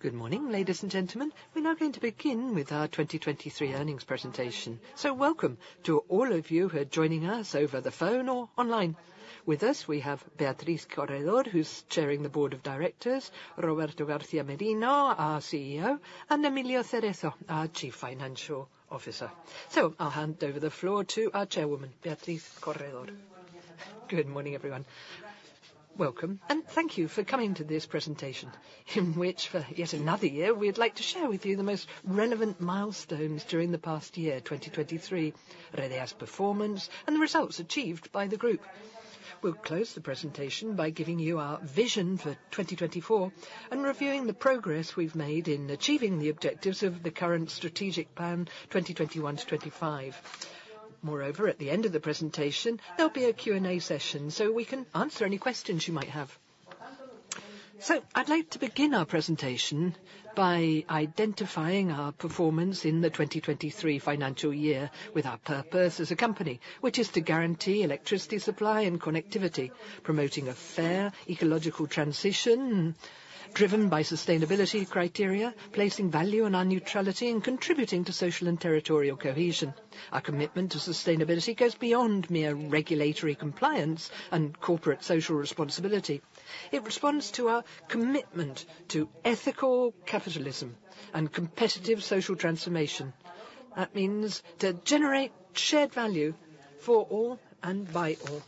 Good morning, ladies and gentlemen. We're now going to begin with our 2023 earnings presentation, so welcome to all of you who are joining us over the phone or online. With us, we have Beatriz Corredor, who's chairing the board of directors, Roberto García Merino, our CEO, and Emilio Cerezo, our Chief Financial Officer. So I'll hand over the floor to our chairwoman, Beatriz Corredor. Good morning, everyone. Welcome, and thank you for coming to this presentation in which, for yet another year, we'd like to share with you the most relevant milestones during the past year, 2023, Redeia's performance, and the results achieved by the group. We'll close the presentation by giving you our vision for 2024 and reviewing the progress we've made in achieving the objectives of the current strategic plan, 2021-25. Moreover, at the end of the presentation, there'll be a Q&A session so we can answer any questions you might have. So I'd like to begin our presentation by identifying our performance in the 2023 financial year with our purpose as a company, which is to guarantee electricity supply and connectivity, promoting a fair, ecological transition driven by sustainability criteria, placing value on our neutrality, and contributing to social and territorial cohesion. Our commitment to sustainability goes beyond mere regulatory compliance and corporate social responsibility. It responds to our commitment to ethical capitalism and competitive social transformation. That means to generate shared value for all and by all.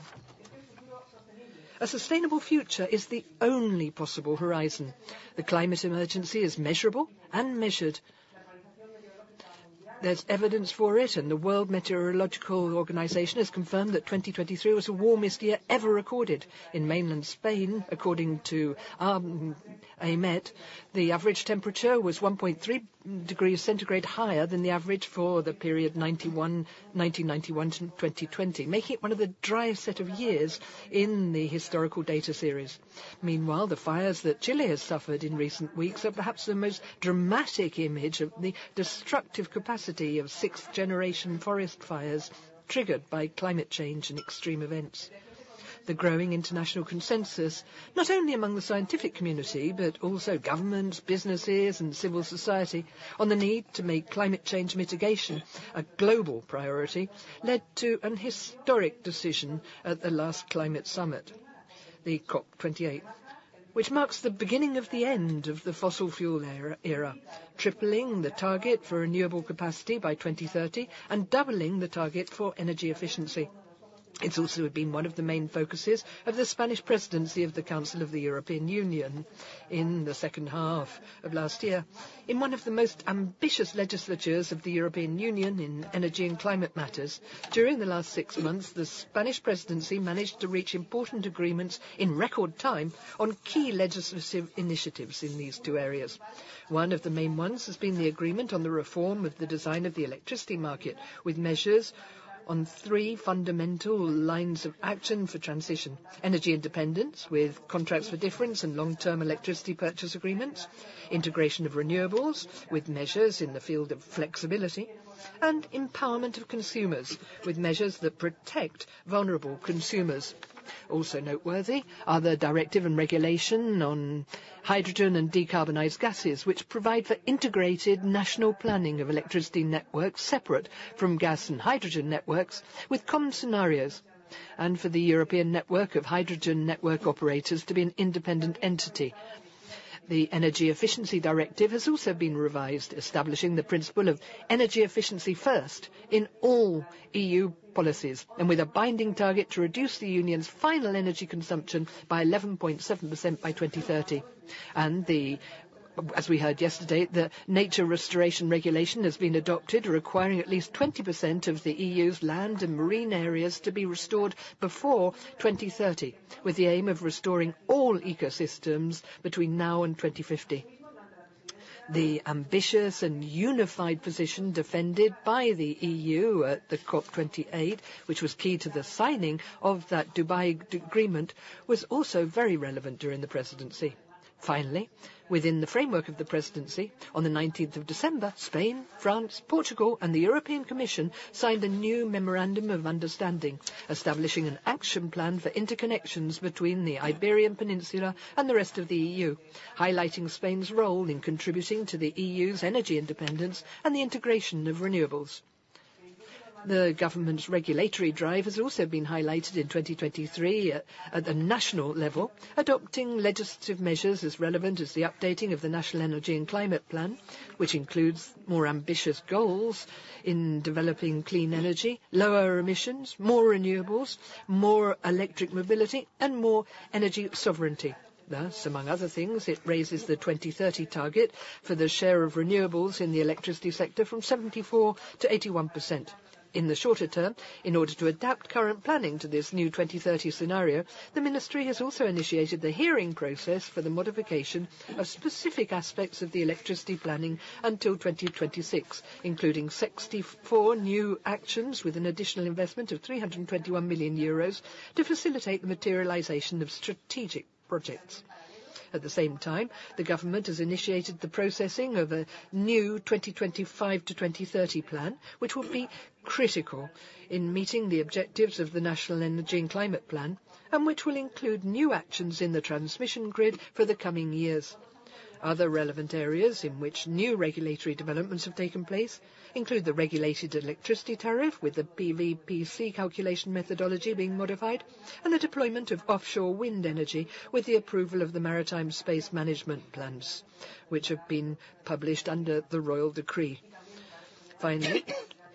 A sustainable future is the only possible horizon. The climate emergency is measurable and measured. There's evidence for it, and the World Meteorological Organization has confirmed that 2023 was the warmest year ever recorded in mainland Spain. According to AEMET, the average temperature was 1.3 degrees centigrade higher than the average for the period 1991 to 2020, making it one of the driest set of years in the historical data series. Meanwhile, the fires that Chile has suffered in recent weeks are perhaps the most dramatic image of the destructive capacity of sixth-generation forest fires triggered by climate change and extreme events. The growing international consensus, not only among the scientific community but also governments, businesses, and civil society, on the need to make climate change mitigation a global priority, led to a historic decision at the last climate summit, the COP28, which marks the beginning of the end of the fossil fuel era, tripling the target for renewable capacity by 2030 and doubling the target for energy efficiency. It's also been one of the main focuses of the Spanish presidency of the Council of the European Union in the second half of last year. In one of the most ambitious legislatures of the European Union in energy and climate matters, during the last six months, the Spanish presidency managed to reach important agreements in record time on key legislative initiatives in these two areas. One of the main ones has been the agreement on the reform of the design of the electricity market with measures on three fundamental lines of action for transition: energy independence with contracts for difference and long-term electricity purchase agreements, integration of renewables with measures in the field of flexibility, and empowerment of consumers with measures that protect vulnerable consumers. Also noteworthy are the directive and regulation on hydrogen and decarbonized gases, which provide for integrated national planning of electricity networks separate from gas and hydrogen networks with common scenarios, and for the European network of hydrogen network operators to be an independent entity. The energy efficiency directive has also been revised, establishing the principle of energy efficiency first in all EU policies and with a binding target to reduce the union's final energy consumption by 11.7% by 2030. And, as we heard yesterday, the nature restoration regulation has been adopted, requiring at least 20% of the EU's land and marine areas to be restored before 2030, with the aim of restoring all ecosystems between now and 2050. The ambitious and unified position defended by the EU at the COP28, which was key to the signing of that Dubai deal, was also very relevant during the presidency. Finally, within the framework of the presidency, on the 19th of December, Spain, France, Portugal, and the European Commission signed a new memorandum of understanding, establishing an action plan for interconnections between the Iberian Peninsula and the rest of the EU, highlighting Spain's role in contributing to the EU's energy independence and the integration of renewables. The government's regulatory drive has also been highlighted in 2023 at the national level, adopting legislative measures as relevant as the updating of the National Energy and Climate Plan, which includes more ambitious goals in developing clean energy, lower emissions, more renewables, more electric mobility, and more energy sovereignty. Thus, among other things, it raises the 2030 target for the share of renewables in the electricity sector from 74%-81%. In the shorter term, in order to adapt current planning to this new 2030 scenario, the ministry has also initiated the hearing process for the modification of specific aspects of the electricity planning until 2026, including 64 new actions with an additional investment of 321 million euros to facilitate the materialization of strategic projects. At the same time, the government has initiated the processing of a new 2025 to 2030 plan, which will be critical in meeting the objectives of the National Energy and Climate Plan and which will include new actions in the transmission grid for the coming years. Other relevant areas in which new regulatory developments have taken place include the regulated electricity tariff, with the PVPC calculation methodology being modified, and the deployment of offshore wind energy with the approval of the Maritime Space Management Plans, which have been published under the Royal Decree. Finally,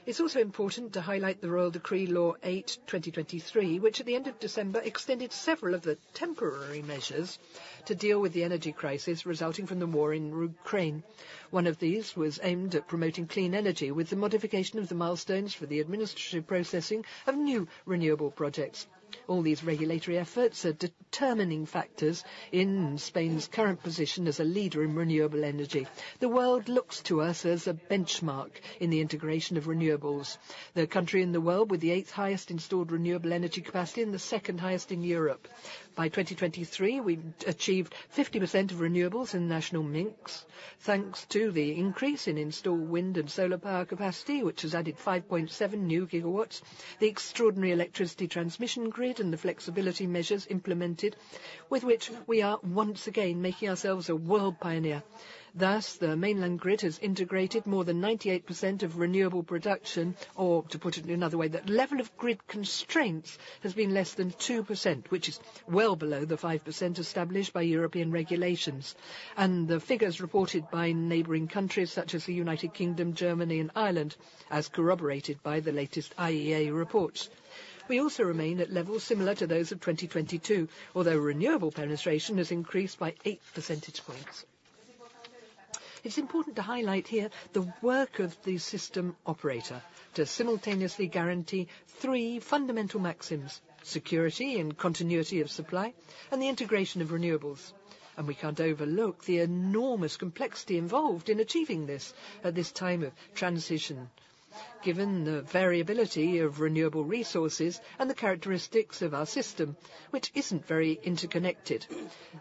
it's also important to highlight the Royal Decree Law 8/2023, which at the end of December extended several of the temporary measures to deal with the energy crisis resulting from the war in Ukraine. One of these was aimed at promoting clean energy with the modification of the milestones for the administrative processing of new renewable projects. All these regulatory efforts are determining factors in Spain's current position as a leader in renewable energy. The world looks to us as a benchmark in the integration of renewables, the country in the world with the eighth-highest installed renewable energy capacity and the second-highest in Europe. By 2023, we'd achieved 50% of renewables in national mix, thanks to the increase in installed wind and solar power capacity, which has added 5.7 gigawatts, the extraordinary electricity transmission grid, and the flexibility measures implemented, with which we are once again making ourselves a world pioneer. Thus, the mainland grid has integrated more than 98% of renewable production, or to put it in another way, that level of grid constraints has been less than 2%, which is well below the 5% established by European regulations, and the figures reported by neighboring countries such as the United Kingdom, Germany, and Ireland, as corroborated by the latest IEA reports. We also remain at levels similar to those of 2022, although renewable penetration has increased by 8 percentage points. It's important to highlight here the work of the system operator to simultaneously guarantee three fundamental maxims: security and continuity of supply, and the integration of renewables. We can't overlook the enormous complexity involved in achieving this at this time of transition, given the variability of renewable resources and the characteristics of our system, which isn't very interconnected.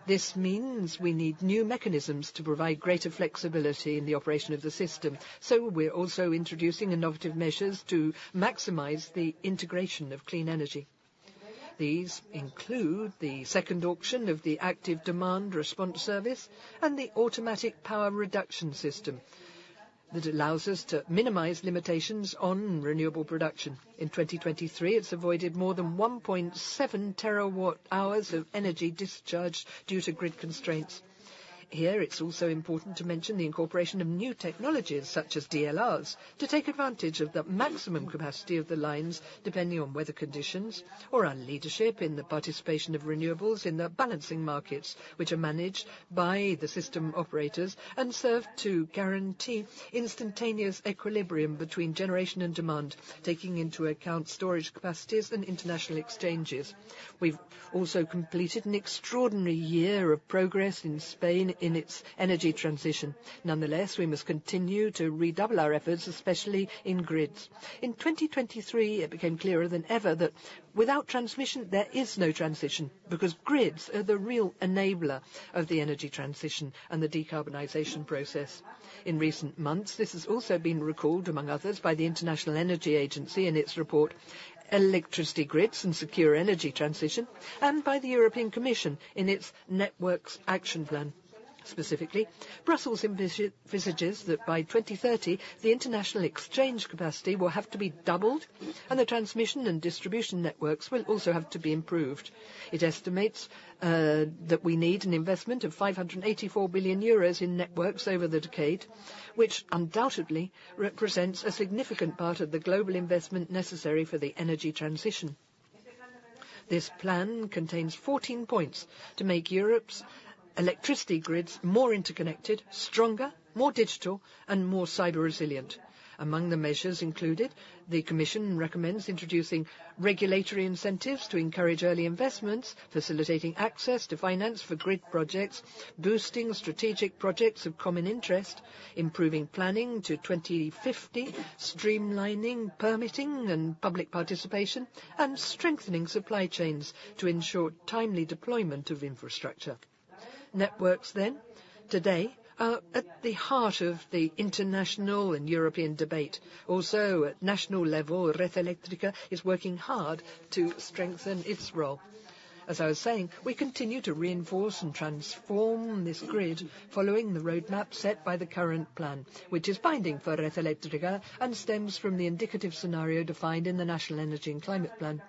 This means we need new mechanisms to provide greater flexibility in the operation of the system, so we're also introducing innovative measures to maximize the integration of clean energy. These include the second auction of the active demand response service and the automatic power reduction system that allows us to minimize limitations on renewable production. In 2023, it's avoided more than 1.7 TWh of energy discharged due to grid constraints. Here, it's also important to mention the incorporation of new technologies such as DLRs to take advantage of the maximum capacity of the lines depending on weather conditions or on leadership in the participation of renewables in the balancing markets, which are managed by the system operators and serve to guarantee instantaneous equilibrium between generation and demand, taking into account storage capacities and international exchanges. We've also completed an extraordinary year of progress in Spain in its energy transition. Nonetheless, we must continue to redouble our efforts, especially in grids. In 2023, it became clearer than ever that without transmission, there is no transition because grids are the real enabler of the energy transition and the decarbonization process. In recent months, this has also been recalled, among others, by the International Energy Agency in its report, Electricity Grids and Secure Energy Transition, and by the European Commission in its Networks Action Plan. Specifically, Brussels envisages that by 2030, the international exchange capacity will have to be doubled, and the transmission and distribution networks will also have to be improved. It estimates that we need an investment of 584 billion euros in networks over the decade, which undoubtedly represents a significant part of the global investment necessary for the energy transition. This plan contains 14 points to make Europe's electricity grids more interconnected, stronger, more digital, and more cyber-resilient. Among the measures included, the Commission recommends introducing regulatory incentives to encourage early investments, facilitating access to finance for grid projects, boosting strategic projects of common interest, improving planning to 2050, streamlining permitting and public participation, and strengthening supply chains to ensure timely deployment of infrastructure. Networks, then, today, are at the heart of the international and European debate. Also, at national level, Red Eléctrica is working hard to strengthen its role. As I was saying, we continue to reinforce and transform this grid following the roadmap set by the current plan, which is binding for Red Eléctrica and stems from the indicative scenario defined in the National Energy and Climate Plan.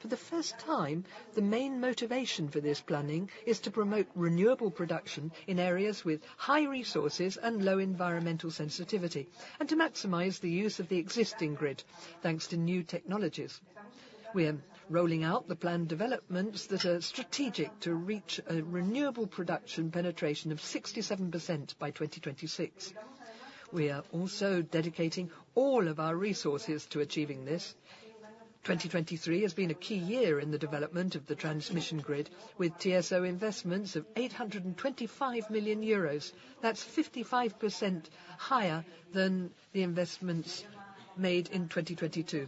For the first time, the main motivation for this planning is to promote renewable production in areas with high resources and low environmental sensitivity and to maximize the use of the existing grid, thanks to new technologies. We are rolling out the planned developments that are strategic to reach a renewable production penetration of 67% by 2026. We are also dedicating all of our resources to achieving this. 2023 has been a key year in the development of the transmission grid, with TSO investments of 825 million euros. That's 55% higher than the investments made in 2022.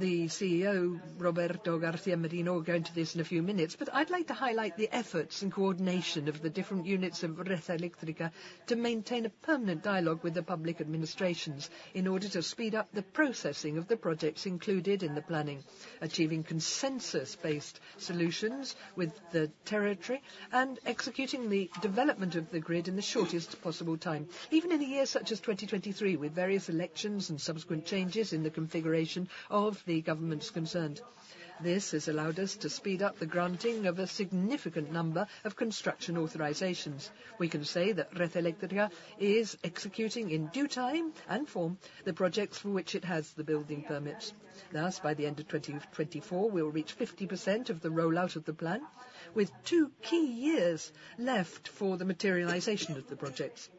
The CEO, Roberto García Merino, will go into this in a few minutes, but I'd like to highlight the efforts and coordination of the different units of Red Eléctrica to maintain a permanent dialogue with the public administrations in order to speed up the processing of the projects included in the planning, achieving consensus-based solutions with the territory, and executing the development of the grid in the shortest possible time, even in a year such as 2023, with various elections and subsequent changes in the configuration of the governments concerned. This has allowed us to speed up the granting of a significant number of construction authorizations. We can say that Red Eléctrica is executing in due time and form the projects for which it has the building permits. Thus, by the end of 2024, we'll reach 50% of the rollout of the plan, with two key years left for the materialization of the projects.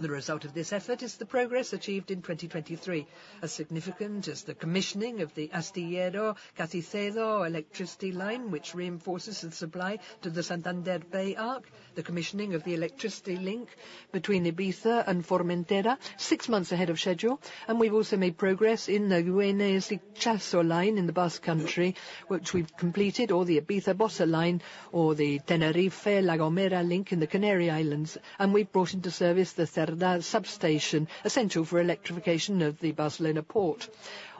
The result of this effort is the progress achieved in 2023, as significant as the commissioning of the Astillero-Cacicedo electricity line, which reinforces the supply to the Santander Bay area, the commissioning of the electricity link between Ibiza and Formentera, 6 months ahead of schedule, and we've also made progress in the Güeñes-Itsaso line in the Basque Country, which we've completed, or the Ibiza-Bossa line, or the Tenerife-La Gomera link in the Canary Islands, and we've brought into service the Cerdà substation, essential for electrification of the Barcelona port.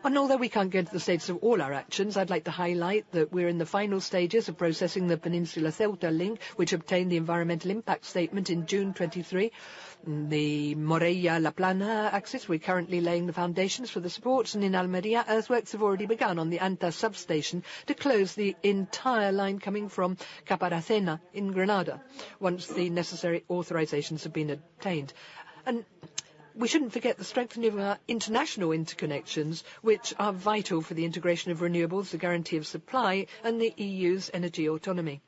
Although we can't go into the details of all our actions, I'd like to highlight that we're in the final stages of processing the Peninsula-Ceuta link, which obtained the environmental impact statement in June 2023. In the Morella-La Plana axis, we're currently laying the foundations for the supports, and in Almería, earthworks have already begun on the Antas substation to close the entire line coming from Caparacena in Granada, once the necessary authorizations have been obtained. We shouldn't forget the strengthening of our international interconnections, which are vital for the integration of renewables, the guarantee of supply, and the EU's energy autonomy.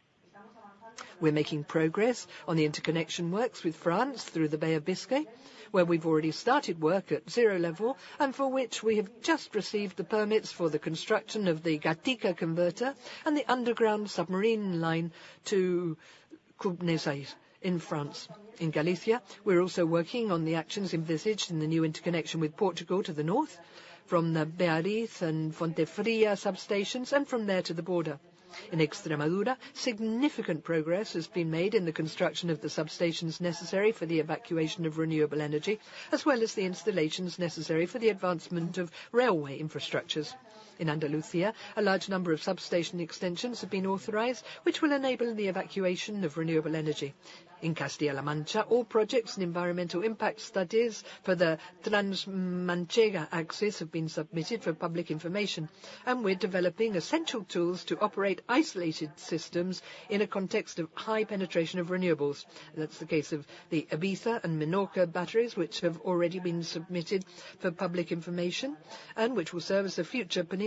We're making progress on the interconnection works with France through the Bay of Biscay, where we've already started work at zero level, and for which we have just received the permits for the construction of the Gatika converter and the underground submarine line to Cubnezais in France. In Galicia, we're also working on the actions envisaged in the new interconnection with Portugal to the north, from the Beariz and Fontefría substations and from there to the border. In Extremadura, significant progress has been made in the construction of the substations necessary for the evacuation of renewable energy, as well as the installations necessary for the advancement of railway infrastructures. In Andalucía, a large number of substation extensions have been authorized, which will enable the evacuation of renewable energy. In Castilla-La Mancha, all projects and environmental impact studies for the Transmanchega axis have been submitted for public information, and we're developing essential tools to operate isolated systems in a context of high penetration of renewables. That's the case of the Ibiza and Menorca batteries, which have already been submitted for public information and which will serve as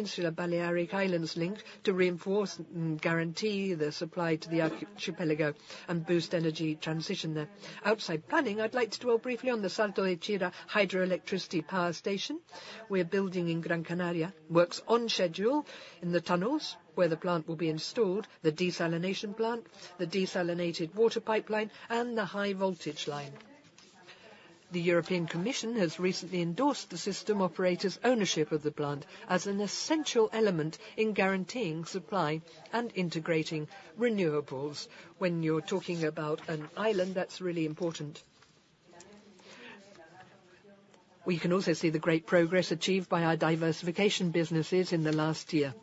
the future Peninsula-Balearic Islands link to reinforce and guarantee the supply to the archipelago and boost energy transition there. Outside planning, I'd like to dwell briefly on the Salto de Chira hydroelectricity power station. We're building in Gran Canaria. Works on schedule in the tunnels where the plant will be installed, the desalination plant, the desalinated water pipeline, and the high-voltage line. The European Commission has recently endorsed the system operator's ownership of the plant as an essential element in guaranteeing supply and integrating renewables. When you're talking about an island, that's really important. We can also see the great progress achieved by our diversification businesses in the last year.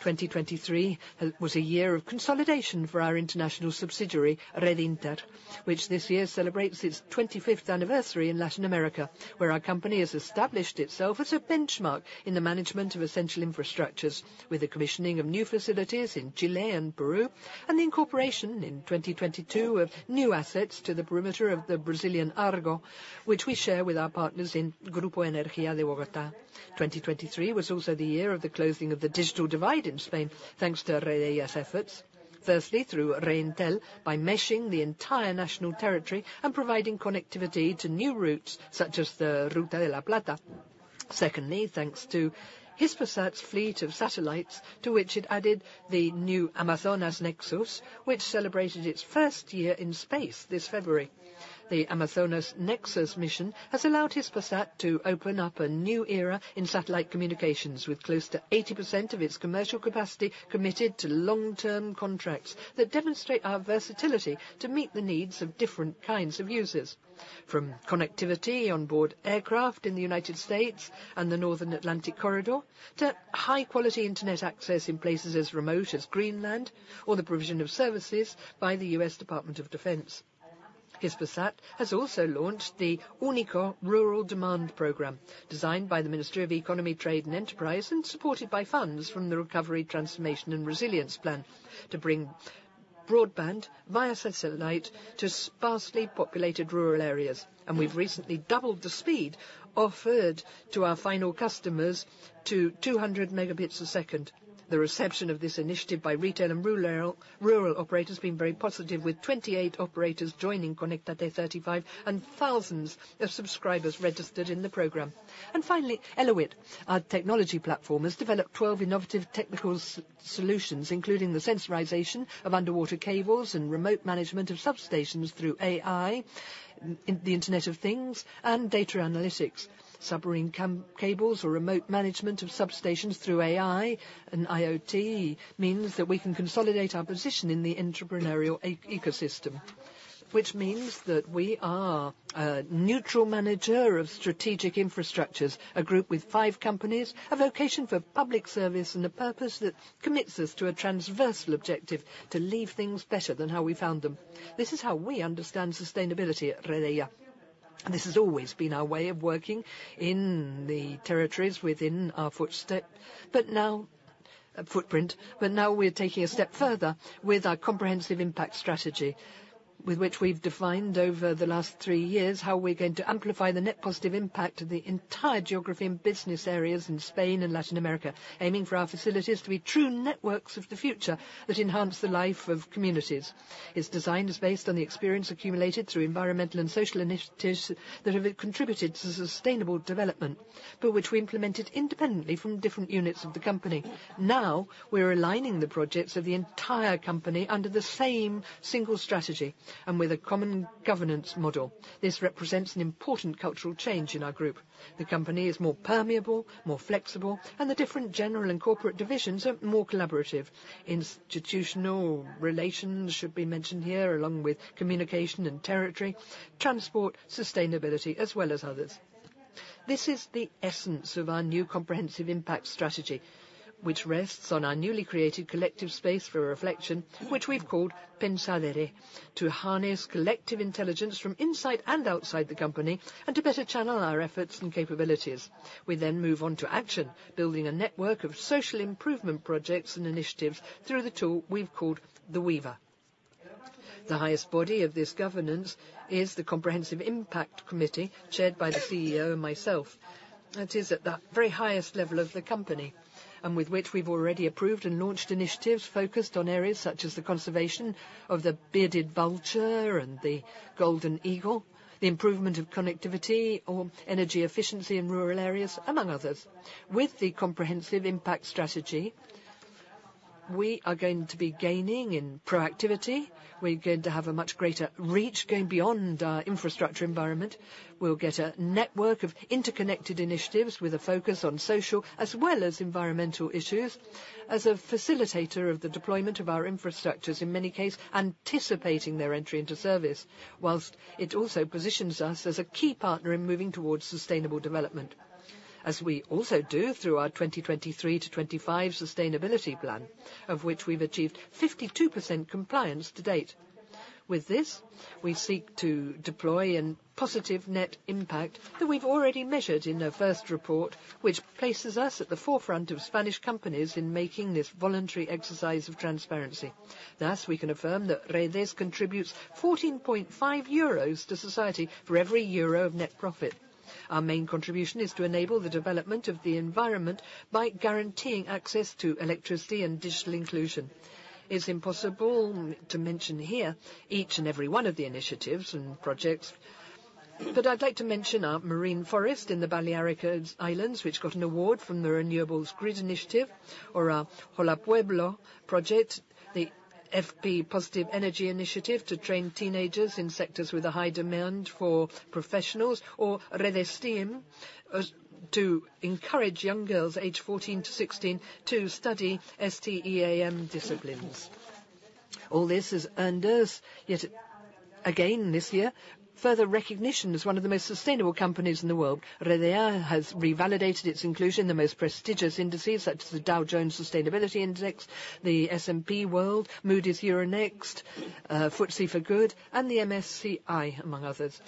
2023 was a year of consolidation for our international subsidiary, Redinter, which this year celebrates its 25th anniversary in Latin America, where our company has established itself as a benchmark in the management of essential infrastructures, with the commissioning of new facilities in Chile and Peru and the incorporation, in 2022, of new assets to the perimeter of the Brazilian Argo, which we share with our partners in Grupo Energía de Bogotá. 2023 was also the year of the closing of the digital divide in Spain, thanks to Redeia's efforts, firstly through Reintel by meshing the entire national territory and providing connectivity to new routes such as the Ruta de la Plata. Secondly, thanks to Hispasat's fleet of satellites, to which it added the new Amazonas Nexus, which celebrated its first year in space this February. The Amazonas Nexus mission has allowed Hispasat to open up a new era in satellite communications, with close to 80% of its commercial capacity committed to long-term contracts that demonstrate our versatility to meet the needs of different kinds of users, from connectivity onboard aircraft in the United States and the Northern Atlantic Corridor to high-quality internet access in places as remote as Greenland or the provision of services by the U.S. Department of Defense. Hispasat has also launched the UNICO Rural Demand Program, designed by the Ministry of Economy, Trade, and Enterprise and supported by funds from the Recovery, Transformation, and Resilience Plan, to bring broadband via satellite to sparsely populated rural areas. We've recently doubled the speed offered to our final customers to 200 Mbps. The reception of this initiative by retail and rural operators has been very positive, with 28 operators joining Conecta 35 and thousands of subscribers registered in the program. Finally, Elewit, our technology platform, has developed 12 innovative technical solutions, including the sensorization of underwater cables and remote management of substations through AI, in the Internet of Things, and data analytics. Submarine cables or remote management of substations through AI and IoT means that we can consolidate our position in the entrepreneurial e-ecosystem, which means that we are a neutral manager of strategic infrastructures, a group with five companies, a vocation for public service, and a purpose that commits us to a transversal objective: to leave things better than how we found them. This is how we understand sustainability at Redeia. This has always been our way of working in the territories within our footstep, but now footprint, but now we're taking a step further with our comprehensive impact strategy, with which we've defined over the last three years how we're going to amplify the net positive impact of the entire geography and business areas in Spain and Latin America, aiming for our facilities to be true networks of the future that enhance the life of communities. Its design is based on the experience accumulated through environmental and social initiatives that have contributed to sustainable development, but which we implemented independently from different units of the company. Now, we're aligning the projects of the entire company under the same single strategy and with a common governance model. This represents an important cultural change in our group. The company is more permeable, more flexible, and the different general and corporate divisions are more collaborative. Institutional relations should be mentioned here, along with communication and territory, transport, sustainability, as well as others. This is the essence of our new comprehensive impact strategy, which rests on our newly created collective space for reflection, which we've called Pensadero, to harness collective intelligence from inside and outside the company and to better channel our efforts and capabilities. We then move on to action, building a network of social improvement projects and initiatives through the tool we've called The Weaver. The highest body of this governance is the Comprehensive Impact Committee, chaired by the CEO and myself. It is at the very highest level of the company and with which we've already approved and launched initiatives focused on areas such as the conservation of the bearded vulture and the golden eagle, the improvement of connectivity or energy efficiency in rural areas, among others. With the comprehensive impact strategy, we are going to be gaining in proactivity. We're going to have a much greater reach going beyond our infrastructure environment. We'll get a network of interconnected initiatives with a focus on social as well as environmental issues, as a facilitator of the deployment of our infrastructures, in many cases anticipating their entry into service, while it also positions us as a key partner in moving towards sustainable development, as we also do through our 2023 to 2025 sustainability plan, of which we've achieved 52% compliance to date. With this, we seek to deploy a positive net impact that we've already measured in our first report, which places us at the forefront of Spanish companies in making this voluntary exercise of transparency. Thus, we can affirm that Redeia contributes 14.5 euros to society for every euro of net profit. Our main contribution is to enable the development of the environment by guaranteeing access to electricity and digital inclusion. It's impossible to mention here each and every one of the initiatives and projects, but I'd like to mention our marine forest in the Balearic Islands, which got an award from the Renewables Grid Initiative, or our Hola Pueblo project, the FP Positive Energy Initiative to train teenagers in sectors with a high demand for professionals, or Redesteam, to encourage young girls aged 14 to 16 to study STEAM disciplines. All this has earned us, yet again this year, further recognition as one of the most sustainable companies in the world. Redeia has revalidated its inclusion in the most prestigious indices, such as the Dow Jones Sustainability Index, the S&P World, Moody's Euronext, FTSE4Good, and the MSCI, among others.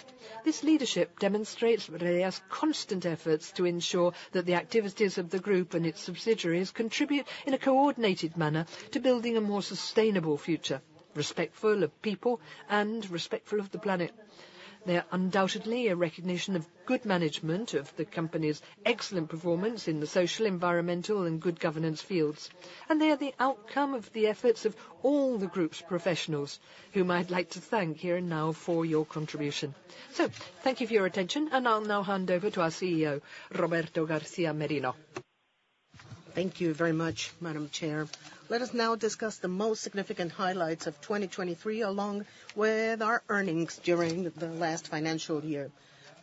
This leadership demonstrates Redeia's constant efforts to ensure that the activities of the group and its subsidiaries contribute in a coordinated manner to building a more sustainable future, respectful of people and respectful of the planet. They are undoubtedly a recognition of good management, of the company's excellent performance in the social, environmental, and good governance fields, and they are the outcome of the efforts of all the group's professionals, whom I'd like to thank here and now for your contribution. Thank you for your attention, and I'll now hand over to our CEO, Roberto García Merino. Thank you very much, Madam Chair. Let us now discuss the most significant highlights of 2023, along with our earnings during the last financial year.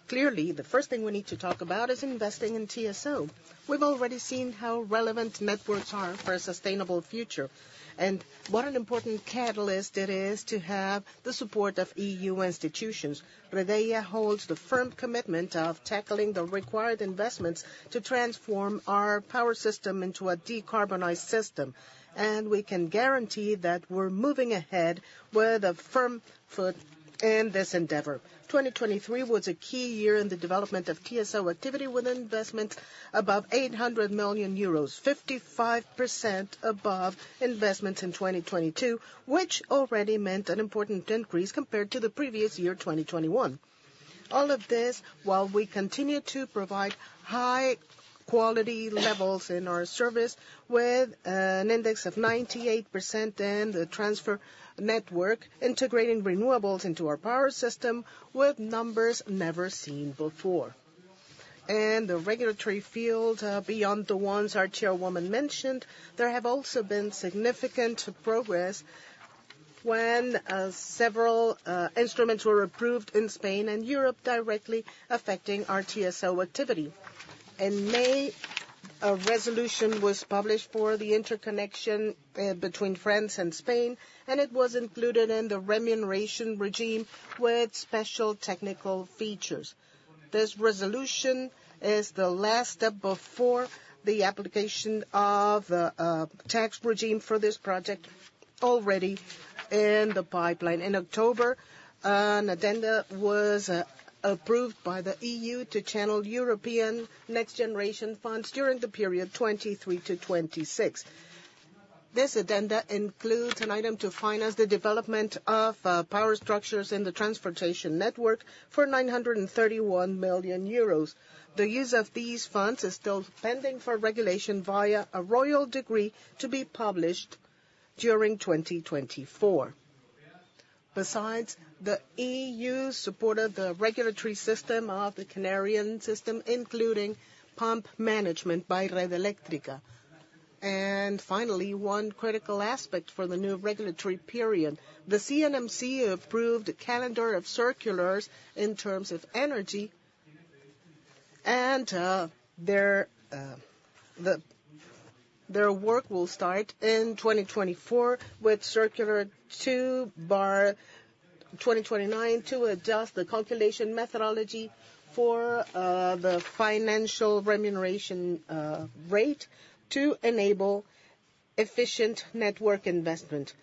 Clearly, the first thing we need to talk about is investing in TSO. We've already seen how relevant networks are for a sustainable future and what an important catalyst it is to have the support of EU institutions. Redeia holds the firm commitment of tackling the required investments to transform our power system into a decarbonized system, and we can guarantee that we're moving ahead with a firm foot in this endeavor. 2023 was a key year in the development of TSO activity with investments above 800 million euros, 55% above investments in 2022, which already meant an important increase compared to the previous year, 2021. All of this while we continue to provide high-quality levels in our service, with an index of 98% in the transfer network integrating renewables into our power system with numbers never seen before. The regulatory field, beyond the ones our chairwoman mentioned, there have also been significant progress when several instruments were approved in Spain and Europe, directly affecting our TSO activity. In May, a resolution was published for the interconnection between France and Spain, and it was included in the remuneration regime with special technical features. This resolution is the last step before the application of the tax regime for this project already in the pipeline. In October, an addenda was approved by the EU to channel European Next Generation funds during the period 2023 to 2026. This addenda includes an item to finance the development of power structures in the transportation network for 931 million euros. The use of these funds is still pending for regulation via a royal decree to be published during 2024. Besides, the EU supported the regulatory system of the Canarian system, including pump management by Red Eléctrica. And finally, one critical aspect for the new regulatory period: the CNMC approved a calendar of circulars in terms of energy, and, their work will start in 2024 with Circular 2/2019 to adjust the calculation methodology for, the financial remuneration rate to enable efficient network investment.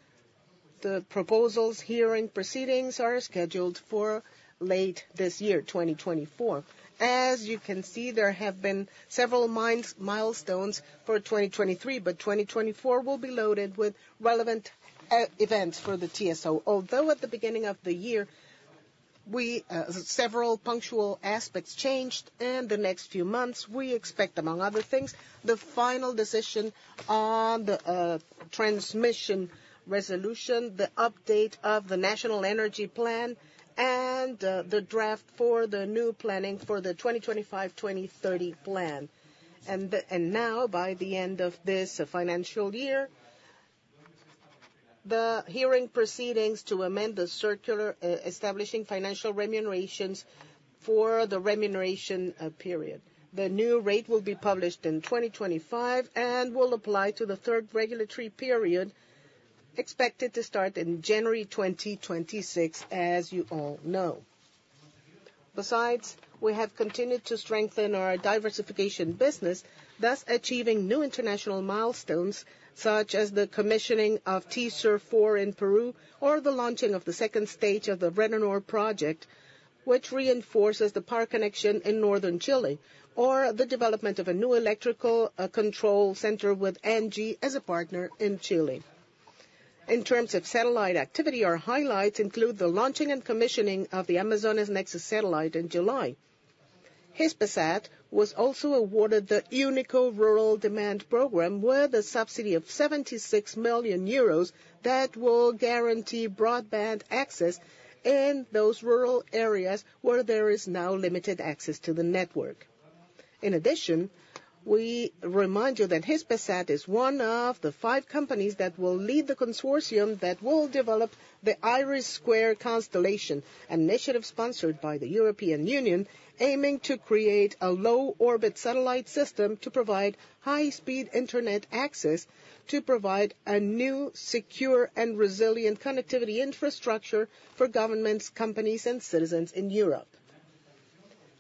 The proposals hearing proceedings are scheduled for late this year, 2024. As you can see, there have been several main milestones for 2023, but 2024 will be loaded with relevant events for the TSO. Although at the beginning of the year, several punctual aspects changed. In the next few months, we expect, among other things, the final decision on the transmission resolution, the update of the National Energy Plan, and the draft for the new planning for the 2025-2030 plan. And now, by the end of this financial year, the hearing proceedings to amend the circular establishing financial remunerations for the remuneration period. The new rate will be published in 2025 and will apply to the third regulatory period, expected to start in January 2026, as you all know. Besides, we have continued to strengthen our diversification business, thus achieving new international milestones such as the commissioning of TESUR-4 in Peru or the launching of the second stage of the Reninor project, which reinforces the power connection in northern Chile, or the development of a new electrical control center with ENGIE as a partner in Chile. In terms of satellite activity, our highlights include the launching and commissioning of the Amazonas Nexus satellite in July. Hispasat was also awarded the UNICO Rural Demand Program with a subsidy of 76 million euros that will guarantee broadband access in those rural areas where there is now limited access to the network. In addition, we remind you that Hispasat is one of the five companies that will lead the consortium that will develop the IRIS² constellation, an initiative sponsored by the European Union aiming to create a low-orbit satellite system to provide high-speed internet access to provide a new, secure, and resilient connectivity infrastructure for governments, companies, and citizens in Europe.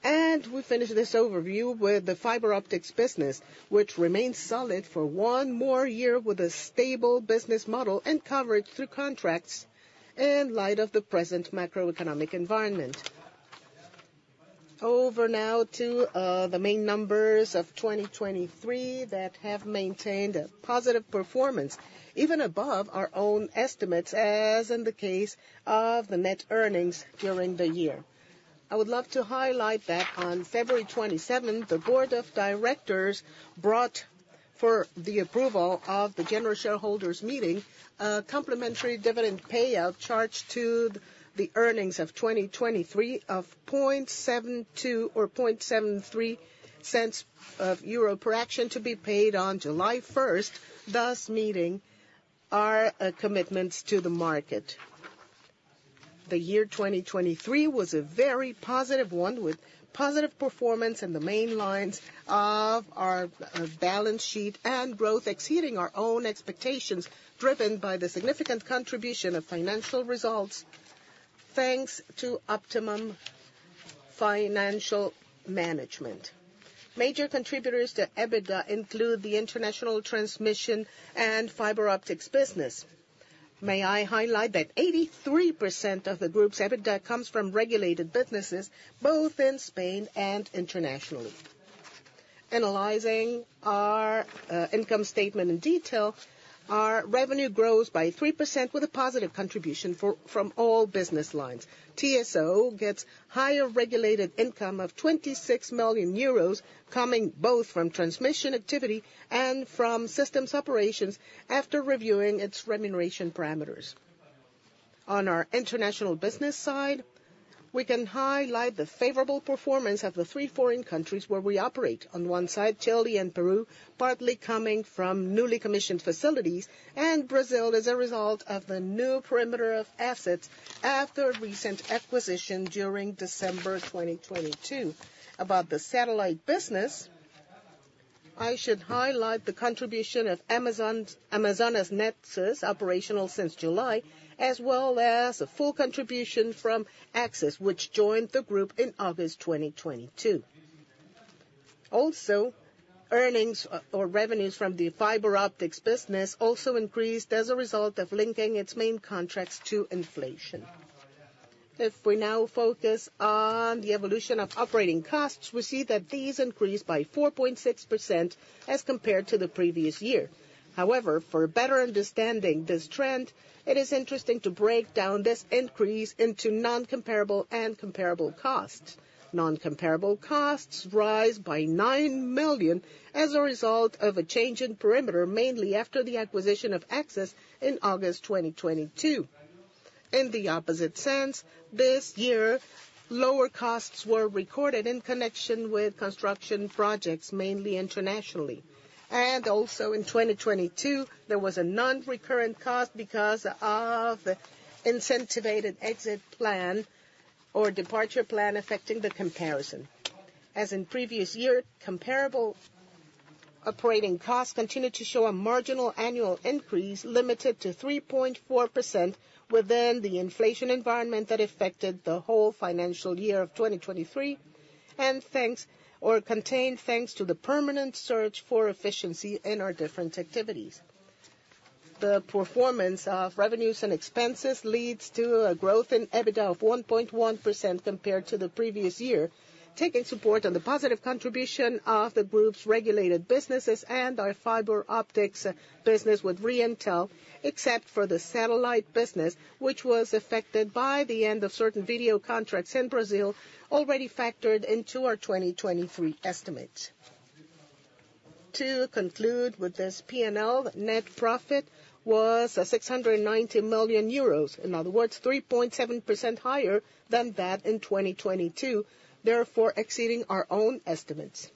We finish this overview with the fiber optics business, which remains solid for one more year with a stable business model and coverage through contracts in light of the present macroeconomic environment. Over now to the main numbers of 2023 that have maintained a positive performance, even above our own estimates, as in the case of the net earnings during the year. I would love to highlight that on February 27, the board of directors brought for the approval of the general shareholders' meeting a complementary dividend payout charge to the earnings of 2023 of 0.0072 or 0.0073 EUR per share to be paid on July 1st, thus meeting our commitments to the market. The year 2023 was a very positive one, with positive performance in the main lines of our balance sheet and growth exceeding our own expectations, driven by the significant contribution of financial results thanks to optimum financial management. Major contributors to EBITDA include the international transmission and fiber optics business. May I highlight that 83% of the group's EBITDA comes from regulated businesses, both in Spain and internationally. Analyzing our income statement in detail, our revenue grows by 3% with a positive contribution from all business lines. TSO gets higher regulated income of 26 million euros, coming both from transmission activity and from systems operations after reviewing its remuneration parameters. On our international business side, we can highlight the favorable performance of the three foreign countries where we operate. On one side, Chile and Peru, partly coming from newly commissioned facilities, and Brazil as a result of the new perimeter of assets after recent acquisition during December 2022. About the satellite business, I should highlight the contribution of Amazonas Nexus operational since July, as well as a full contribution from Axess, which joined the group in August 2022. Also, earnings, or revenues from the fiber optics business also increased as a result of linking its main contracts to inflation. If we now focus on the evolution of operating costs, we see that these increased by 4.6% as compared to the previous year. However, for better understanding this trend, it is interesting to break down this increase into non-comparable and comparable costs. Non-comparable costs rise by 9 million as a result of a change in perimeter, mainly after the acquisition of Axess in August 2022. In the opposite sense, this year, lower costs were recorded in connection with construction projects, mainly internationally. Also, in 2022, there was a non-recurrent cost because of the incentivized exit plan or departure plan affecting the comparison. As in previous years, comparable operating costs continue to show a marginal annual increase limited to 3.4% within the inflation environment that affected the whole financial year of 2023 and thanks or contained thanks to the permanent search for efficiency in our different activities. The performance of revenues and expenses leads to a growth in EBITDA of 1.1% compared to the previous year, taking support on the positive contribution of the group's regulated businesses and our fiber optics business with Reintel, except for the satellite business, which was affected by the end of certain video contracts in Brazil, already factored into our 2023 estimates. To conclude with this P&L, net profit was 690 million euros, in other words, 3.7% higher than that in 2022, therefore exceeding our own estimates.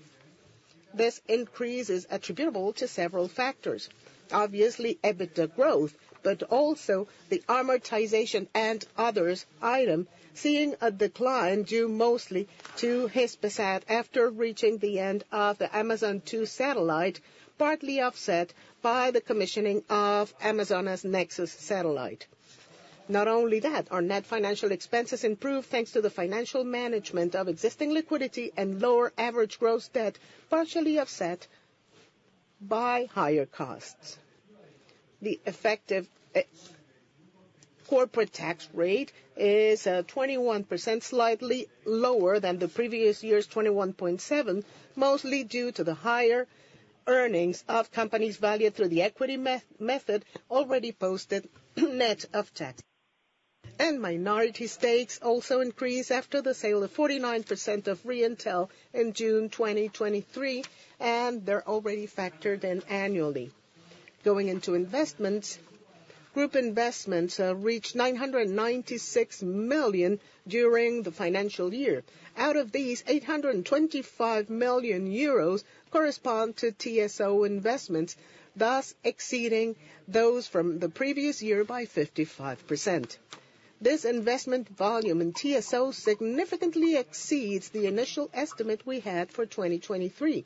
This increase is attributable to several factors, obviously EBITDA growth, but also the amortization and others item, seeing a decline due mostly to Hispasat after reaching the end of the Amazonas 2 satellite, partly offset by the commissioning of Amazonas Nexus satellite. Not only that, our net financial expenses improved thanks to the financial management of existing liquidity and lower average gross debt, partially offset by higher costs. The effective corporate tax rate is 21%, slightly lower than the previous year's 21.7%, mostly due to the higher earnings of companies valued through the equity method already posted net of tax. Minority stakes also increased after the sale of 49% of Reintel in June 2023, and they're already factored in annually. Going into investments, group investments reached 996 million during the financial year. Out of these, 825 million euros correspond to TSO investments, thus exceeding those from the previous year by 55%. This investment volume in TSO significantly exceeds the initial estimate we had for 2023,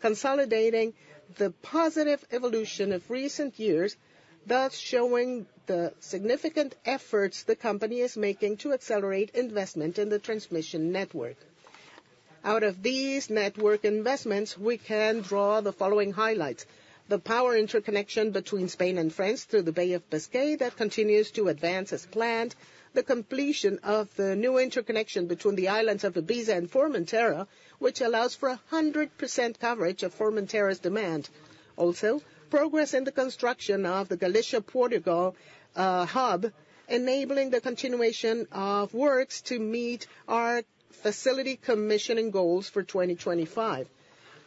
consolidating the positive evolution of recent years, thus showing the significant efforts the company is making to accelerate investment in the transmission network. Out of these network investments, we can draw the following highlights: the power interconnection between Spain and France through the Bay of Biscay that continues to advance as planned. The completion of the new interconnection between the islands of Ibiza and Formentera, which allows for 100% coverage of Formentera's demand. Also, progress in the construction of the Galicia-Portugal hub, enabling the continuation of works to meet our facility commissioning goals for 2025.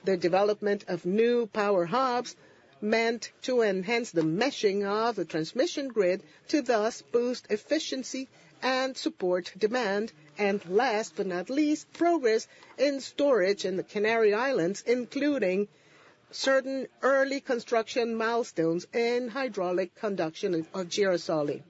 The development of new power hubs meant to enhance the meshing of the transmission grid to thus boost efficiency and support demand. And last but not least, progress in storage in the Canary Islands, including certain early construction milestones in hydraulic conduction of Chira-Soria.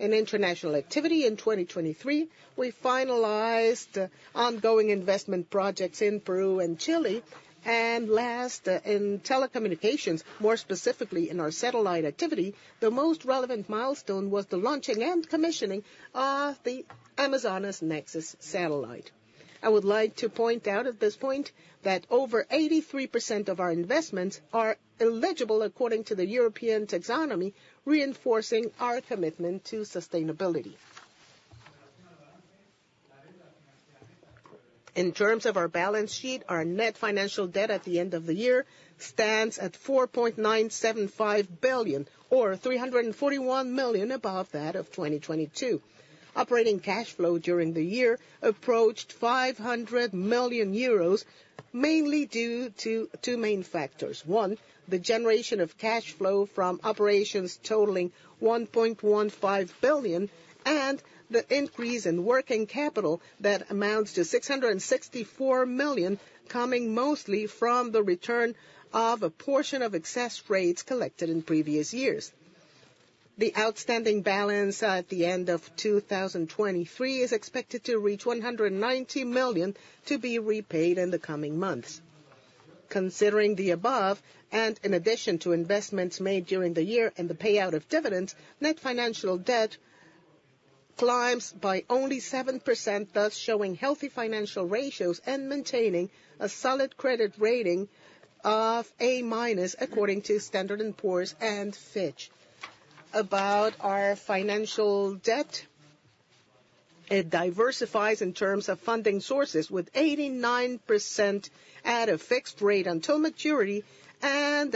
In international activity in 2023, we finalized ongoing investment projects in Peru and Chile. Last, in telecommunications, more specifically in our satellite activity, the most relevant milestone was the launching and commissioning of the Amazonas Nexus satellite. I would like to point out at this point that over 83% of our investments are eligible according to the European taxonomy, reinforcing our commitment to sustainability. In terms of our balance sheet, our net financial debt at the end of the year stands at 4.975 billion or 341 million above that of 2022. Operating cash flow during the year approached 500 million euros, mainly due to two main factors: one, the generation of cash flow from operations totaling 1.15 billion, and the increase in working capital that amounts to 664 million, coming mostly from the return of a portion of excess rates collected in previous years. The outstanding balance, at the end of 2023 is expected to reach 190 million to be repaid in the coming months. Considering the above, and in addition to investments made during the year and the payout of dividends, net financial debt climbs by only 7%, thus showing healthy financial ratios and maintaining a solid credit rating of A- according to Standard & Poor's and Fitch. About our financial debt, it diversifies in terms of funding sources, with 89% at a fixed rate until maturity and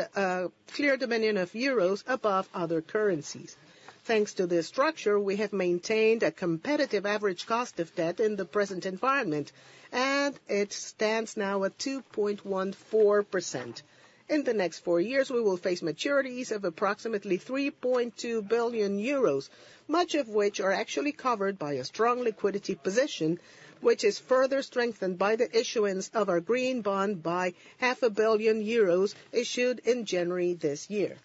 clear dominance of euros above other currencies. Thanks to this structure, we have maintained a competitive average cost of debt in the present environment, and it stands now at 2.14%. In the next four years, we will face maturities of approximately 3.2 billion euros, much of which are actually covered by a strong liquidity position, which is further strengthened by the issuance of our green bond by 500 million euros issued in January this year.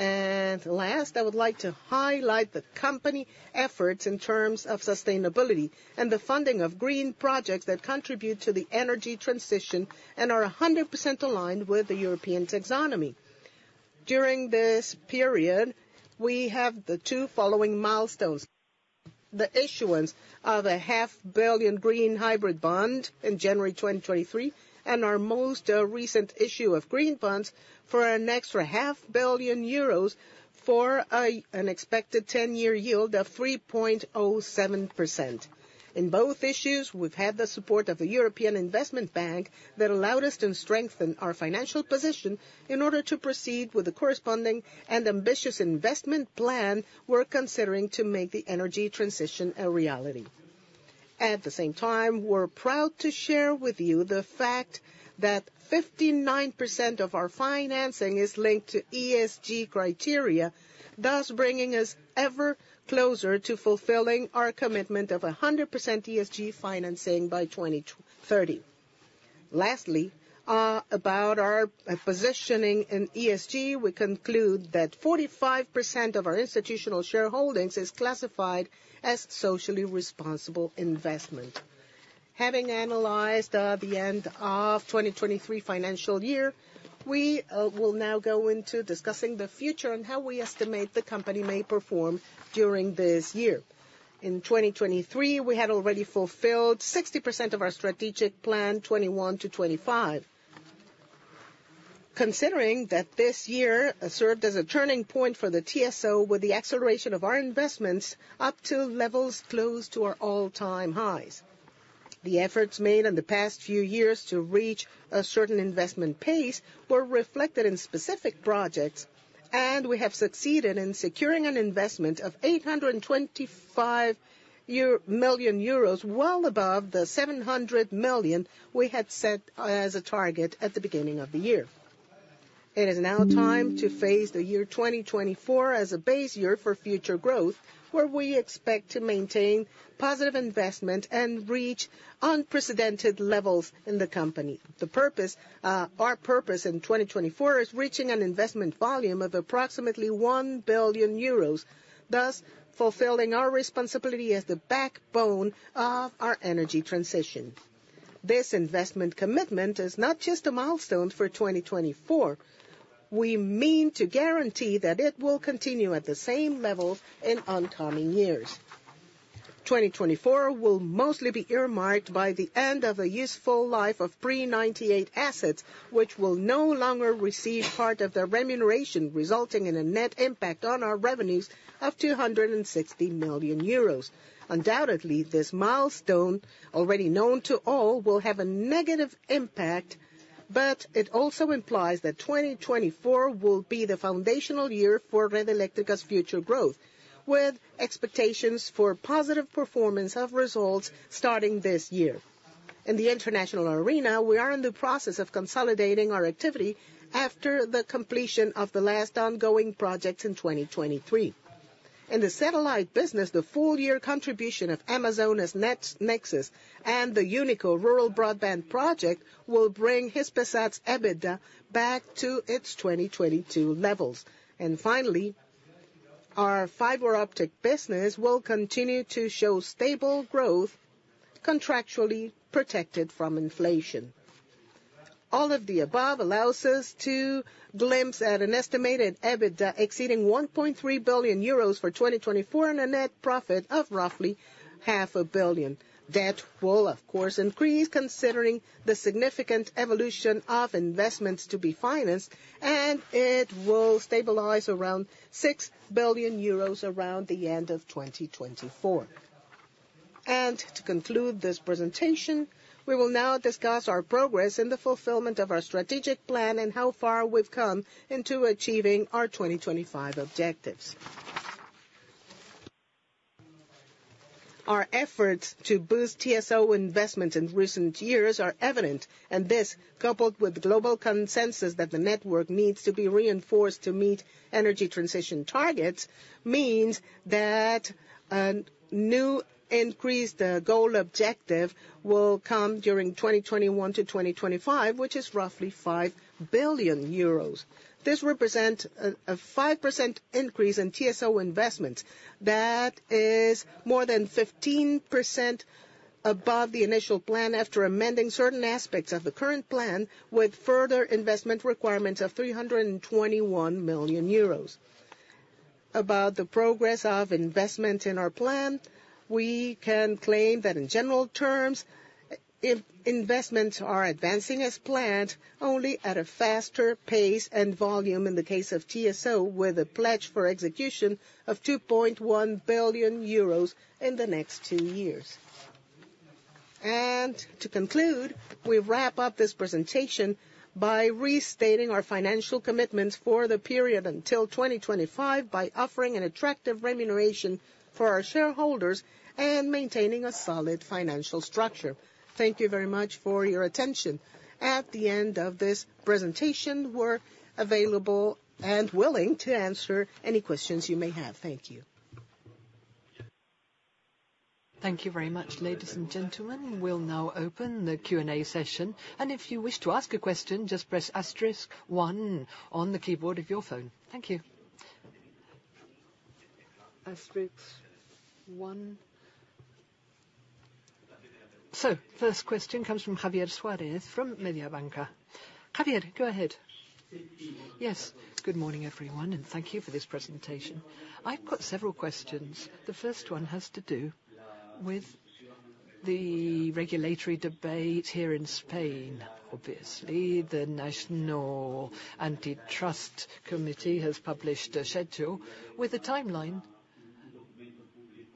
Last, I would like to highlight the company efforts in terms of sustainability and the funding of green projects that contribute to the energy transition and are 100% aligned with the European taxonomy. During this period, we have the two following milestones: the issuance of a EUR 500 million green hybrid bond in January 2023. And our most recent issue of green bonds for an extra 500 million euros for an expected 10-year yield of 3.07%. In both issues, we've had the support of the European Investment Bank that allowed us to strengthen our financial position in order to proceed with the corresponding and ambitious investment plan we're considering to make the energy transition a reality. At the same time, we're proud to share with you the fact that 59% of our financing is linked to ESG criteria, thus bringing us ever closer to fulfilling our commitment of 100% ESG financing by 2030. Lastly, about our positioning in ESG, we conclude that 45% of our institutional shareholdings is classified as socially responsible investment. Having analyzed the end of 2023 financial year, we will now go into discussing the future and how we estimate the company may perform during this year. In 2023, we had already fulfilled 60% of our strategic plan 21-25. Considering that this year served as a turning point for the TSO, with the acceleration of our investments up to levels close to our all-time highs. The efforts made in the past few years to reach a certain investment pace were reflected in specific projects, and we have succeeded in securing an investment of 825 million euro well above the 700 million we had set, as a target at the beginning of the year. It is now time to face the year 2024 as a base year for future growth, where we expect to maintain positive investment and reach unprecedented levels in the company. The purpose, our purpose in 2024 is reaching an investment volume of approximately 1 billion euros, thus fulfilling our responsibility as the backbone of our energy transition. This investment commitment is not just a milestone for 2024. We mean to guarantee that it will continue at the same levels in oncoming years. 2024 will mostly be earmarked by the end of a useful life of pre-98 assets, which will no longer receive part of their remuneration, resulting in a net impact on our revenues of 260 million euros. Undoubtedly, this milestone, already known to all, will have a negative impact, but it also implies that 2024 will be the foundational year for Red Eléctrica's future growth, with expectations for positive performance of results starting this year. In the international arena, we are in the process of consolidating our activity after the completion of the last ongoing projects in 2023. In the satellite business, the full-year contribution of Amazonas Nexus and the UNICO Rural Broadband Project will bring Hispasat's EBITDA back to its 2022 levels. Finally, our fiber optic business will continue to show stable growth, contractually protected from inflation. All of the above allows us to glimpse at an estimated EBITDA exceeding 1.3 billion euros for 2024 and a net profit of roughly 500 million. That will, of course, increase considering the significant evolution of investments to be financed, and it will stabilize around 6 billion euros around the end of 2024. To conclude this presentation, we will now discuss our progress in the fulfillment of our strategic plan and how far we've come into achieving our 2025 objectives. Our efforts to boost TSO investment in recent years are evident, and this, coupled with global consensus that the network needs to be reinforced to meet energy transition targets, means that a new increase goal objective will come during 2021-2025, which is roughly 5 billion euros. This represents a 5% increase in TSO investments. That is more than 15% above the initial plan after amending certain aspects of the current plan, with further investment requirements of 321 million euros. About the progress of investment in our plan, we can claim that in general terms, investments are advancing as planned, only at a faster pace and volume in the case of TSO, with a pledge for execution of 2.1 billion euros in the next two years. To conclude, we wrap up this presentation by restating our financial commitments for the period until 2025 by offering an attractive remuneration for our shareholders and maintaining a solid financial structure. Thank you very much for your attention. At the end of this presentation, we're available and willing to answer any questions you may have. Thank you. Thank you very much, ladies and gentlemen. We'll now open the Q&A session, and if you wish to ask a question, just press *1 on the keyboard of your phone. Thank you. Asterisk 1. So, first question comes from Javier Suárez from Mediobanca. Javier, go ahead. Yes. Good morning, everyone, and thank you for this presentation. I've got several questions. The first one has to do with the regulatory debate here in Spain. Obviously, the National Antitrust Committee has published a schedule with a timeline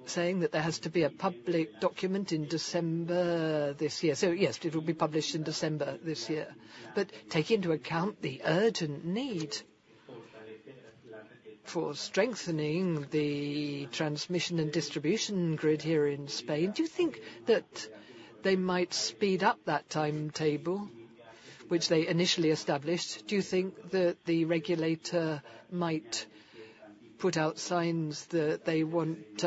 saying that there has to be a public document in December this year. So yes, it'll be published in December this year. But taking into account the urgent need for strengthening the transmission and distribution grid here in Spain, do you think that they might speed up that timetable, which they initially established? Do you think that the regulator might put out signs that they want,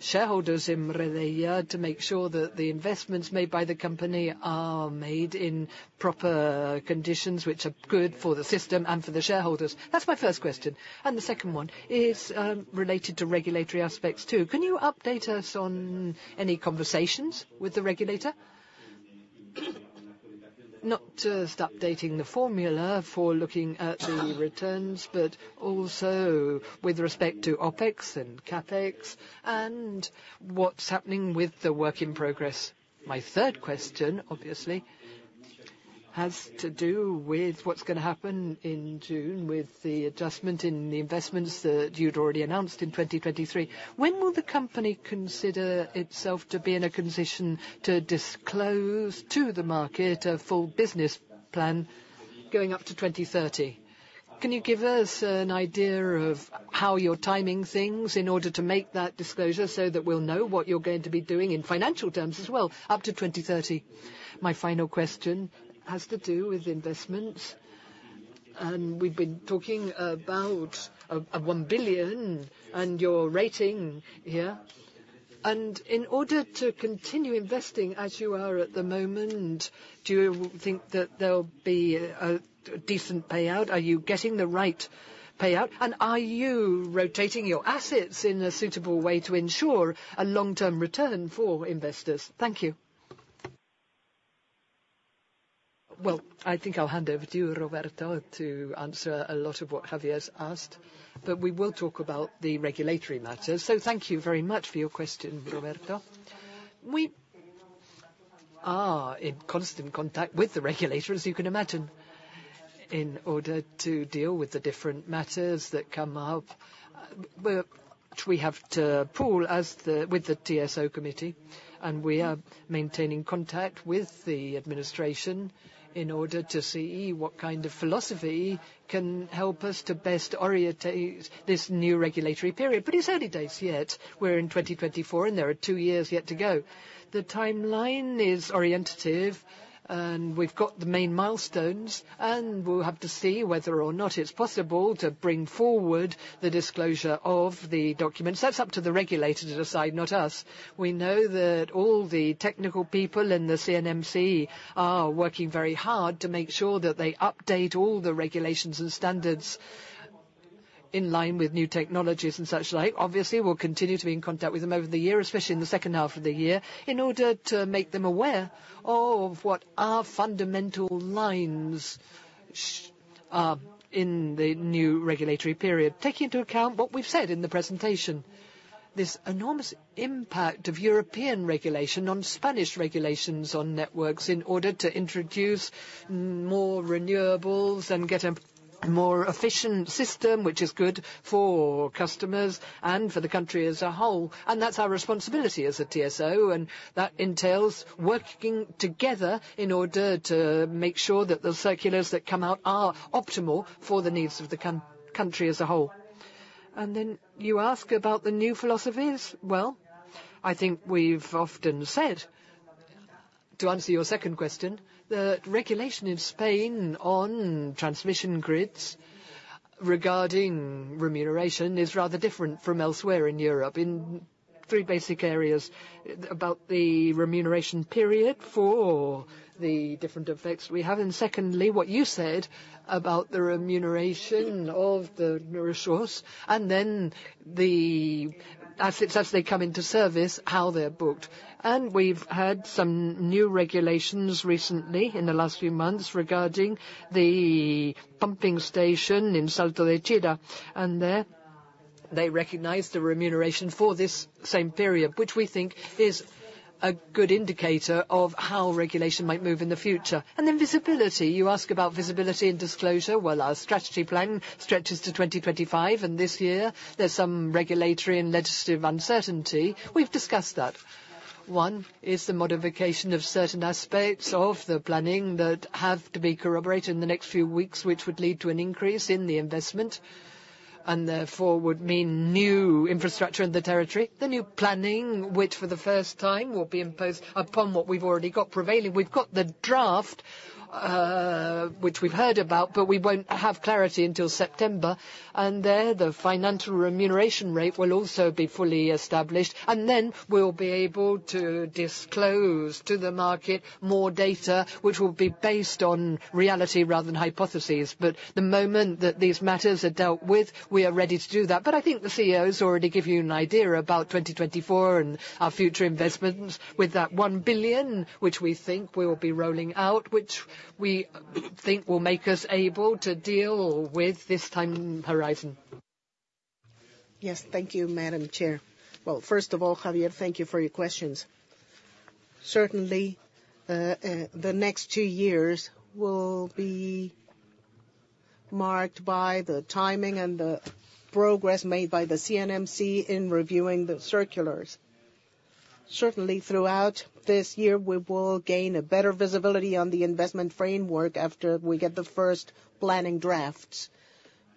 shareholders in Redeia to make sure that the investments made by the company are made in proper conditions, which are good for the system and for the shareholders? That's my first question. And the second one is, related to regulatory aspects too. Can you update us on any conversations with the regulator? Not just updating the formula for looking at the returns, but also with respect to OpEx and CapEx and what's happening with the Work in Progress. My third question, obviously, has to do with what's going to happen in June with the adjustment in the investments that you'd already announced in 2023. When will the company consider itself to be in a condition to disclose to the market a full business plan going up to 2030? Can you give us an idea of how you're timing things in order to make that disclosure so that we'll know what you're going to be doing in financial terms as well, up to 2030? My final question has to do with investments. And we've been talking about 1 billion and your rating here. And in order to continue investing as you are at the moment, do you think that there'll be a decent payout? Are you getting the right payout? And are you rotating your assets in a suitable way to ensure a long-term return for investors? Thank you. Well, I think I'll hand over to you, Roberto, to answer a lot of what Javier's asked, but we will talk about the regulatory matters. So thank you very much for your question, Roberto. We are in constant contact with the regulator, as you can imagine, in order to deal with the different matters that come up, which we have to pool with the TSO Committee. We are maintaining contact with the administration in order to see what kind of philosophy can help us to best orient this new regulatory period. But it's early days yet. We're in 2024, and there are two years yet to go. The timeline is orientative, and we've got the main milestones, and we'll have to see whether or not it's possible to bring forward the disclosure of the documents. That's up to the regulator to decide, not us. We know that all the technical people in the CNMC are working very hard to make sure that they update all the regulations and standards in line with new technologies and such like. Obviously, we'll continue to be in contact with them over the year, especially in the second half of the year, in order to make them aware of what our fundamental lines are in the new regulatory period, taking into account what we've said in the presentation, this enormous impact of European regulation on Spanish regulations on networks in order to introduce more renewables and get a more efficient system, which is good for customers and for the country as a whole. And that's our responsibility as a TSO, and that entails working together in order to make sure that the circulars that come out are optimal for the needs of the country as a whole. And then you ask about the new philosophies. Well, I think we've often said, to answer your second question, that regulation in Spain on transmission grids regarding remuneration is rather different from elsewhere in Europe in three basic areas: about the remuneration period for the different effects we have and, secondly, what you said about the remuneration of the resource and then the assets as they come into service, how they're booked. And we've had some new regulations recently in the last few months regarding the pumping station in Salto de Chira, and there they recognize the remuneration for this same period, which we think is a good indicator of how regulation might move in the future. And then visibility. You ask about visibility and disclosure. Well, our strategy plan stretches to 2025, and this year there's some regulatory and legislative uncertainty. We've discussed that. One is the modification of certain aspects of the planning that have to be corroborated in the next few weeks, which would lead to an increase in the investment and therefore would mean new infrastructure in the territory. The new planning, which for the first time will be imposed upon what we've already got prevailing. We've got the draft, which we've heard about, but we won't have clarity until September. There the Financial Remuneration Rate will also be fully established, and then we'll be able to disclose to the market more data, which will be based on reality rather than hypotheses. The moment that these matters are dealt with, we are ready to do that. But I think the CEO's already given you an idea about 2024 and our future investments with that 1 billion, which we think we'll be rolling out, which we think will make us able to deal with this time horizon. Yes. Thank you, Madam Chair. Well, first of all, Javier, thank you for your questions. Certainly, the next two years will be marked by the timing and the progress made by the CNMC in reviewing the circulars. Certainly, throughout this year, we will gain a better visibility on the investment framework after we get the first planning drafts.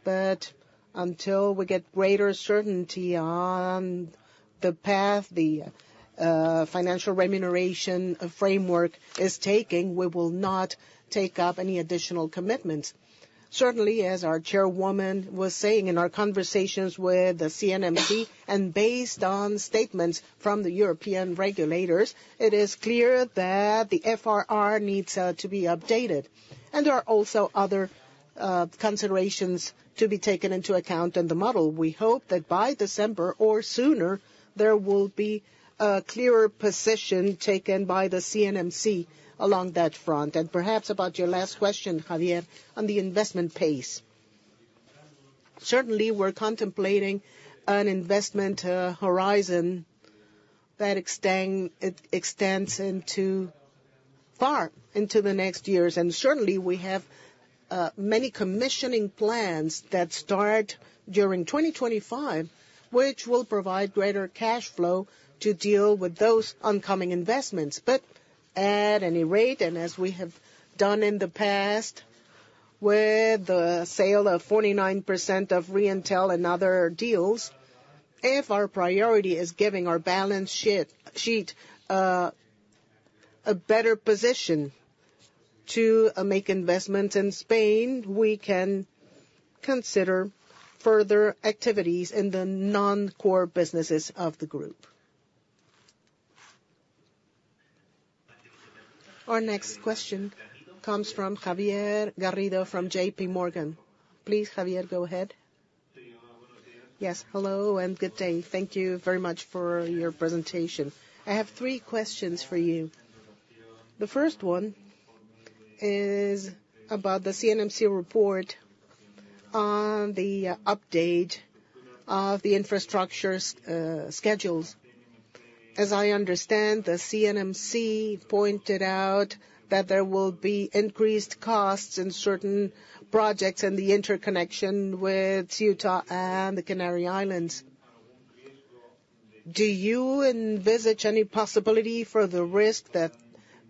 But until we get greater certainty on the path the financial remuneration framework is taking, we will not take up any additional commitments. Certainly, as our Chairwoman was saying in our conversations with the CNMC and based on statements from the European regulators, it is clear that the FRR needs to be updated. There are also other considerations to be taken into account in the model. We hope that by December or sooner, there will be a clearer position taken by the CNMC along that front. Perhaps about your last question, Javier, on the investment pace. Certainly, we're contemplating an investment horizon that extends into far into the next years. Certainly, we have many commissioning plans that start during 2025, which will provide greater cash flow to deal with those oncoming investments. But at any rate, and as we have done in the past with the sale of 49% of Reintel and other deals, if our priority is giving our balance sheet a better position to make investments in Spain, we can consider further activities in the non-core businesses of the group. Our next question comes from Javier Garrido from JPMorgan. Please, Javier, go ahead. Yes. Hello and good day. Thank you very much for your presentation. I have three questions for you. The first one is about the CNMC report on the update of the infrastructure schedules. As I understand, the CNMC pointed out that there will be increased costs in certain projects in the interconnection with France and the Canary Islands. Do you envisage any possibility for the risk that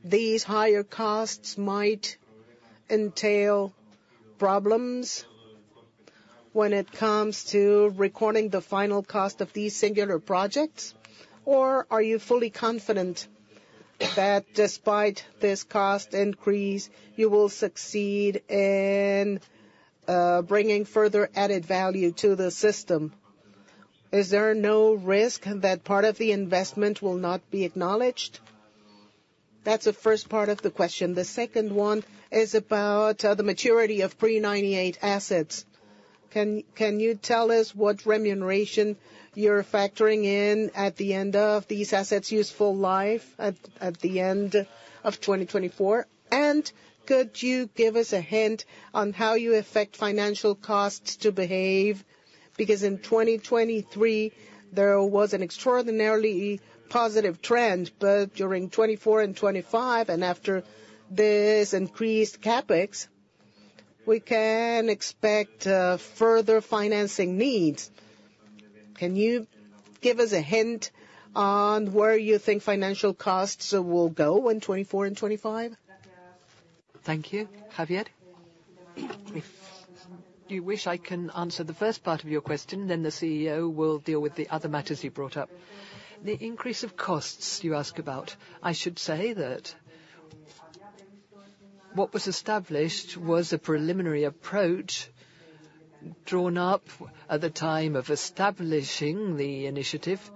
these higher costs might entail problems when it comes to recording the final cost of these singular projects, or are you fully confident that despite this cost increase, you will succeed in bringing further added value to the system? Is there no risk that part of the investment will not be acknowledged? That's the first part of the question. The second one is about the maturity of pre-98 assets. Can you tell us what remuneration you're factoring in at the end of these assets' useful life at the end of 2024? And could you give us a hint on how you affect financial costs to behave? Because in 2023, there was an extraordinarily positive trend, but during 2024 and 2025 and after this increased CapEx, we can expect further financing needs. Can you give us a hint on where you think financial costs will go in 2024 and 2025? Thank you. Javier? If you wish, I can answer the first part of your question, then the CEO will deal with the other matters you brought up. The increase of costs you ask about, I should say that what was established was a preliminary approach drawn up at the time of establishing the initiative.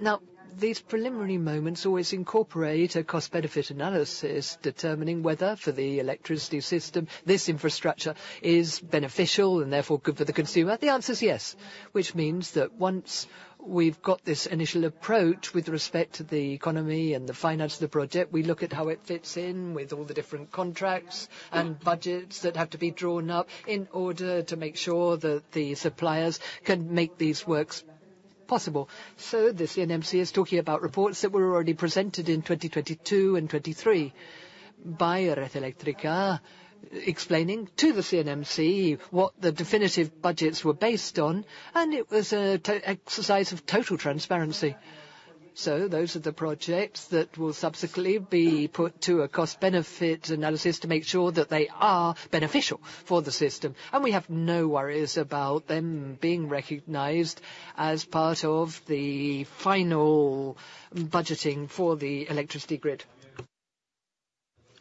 Now, these preliminary moments always incorporate a cost-benefit analysis determining whether for the electricity system, this infrastructure is beneficial and therefore good for the consumer. The answer's yes, which means that once we've got this initial approach with respect to the economy and the finance of the project, we look at how it fits in with all the different contracts and budgets that have to be drawn up in order to make sure that the suppliers can make these works possible. So the CNMC is talking about reports that were already presented in 2022 and 2023 by Red Eléctrica, explaining to the CNMC what the definitive budgets were based on, and it was an exercise of total transparency. So those are the projects that will subsequently be put to a cost-benefit analysis to make sure that they are beneficial for the system, and we have no worries about them being recognized as part of the final budgeting for the electricity grid.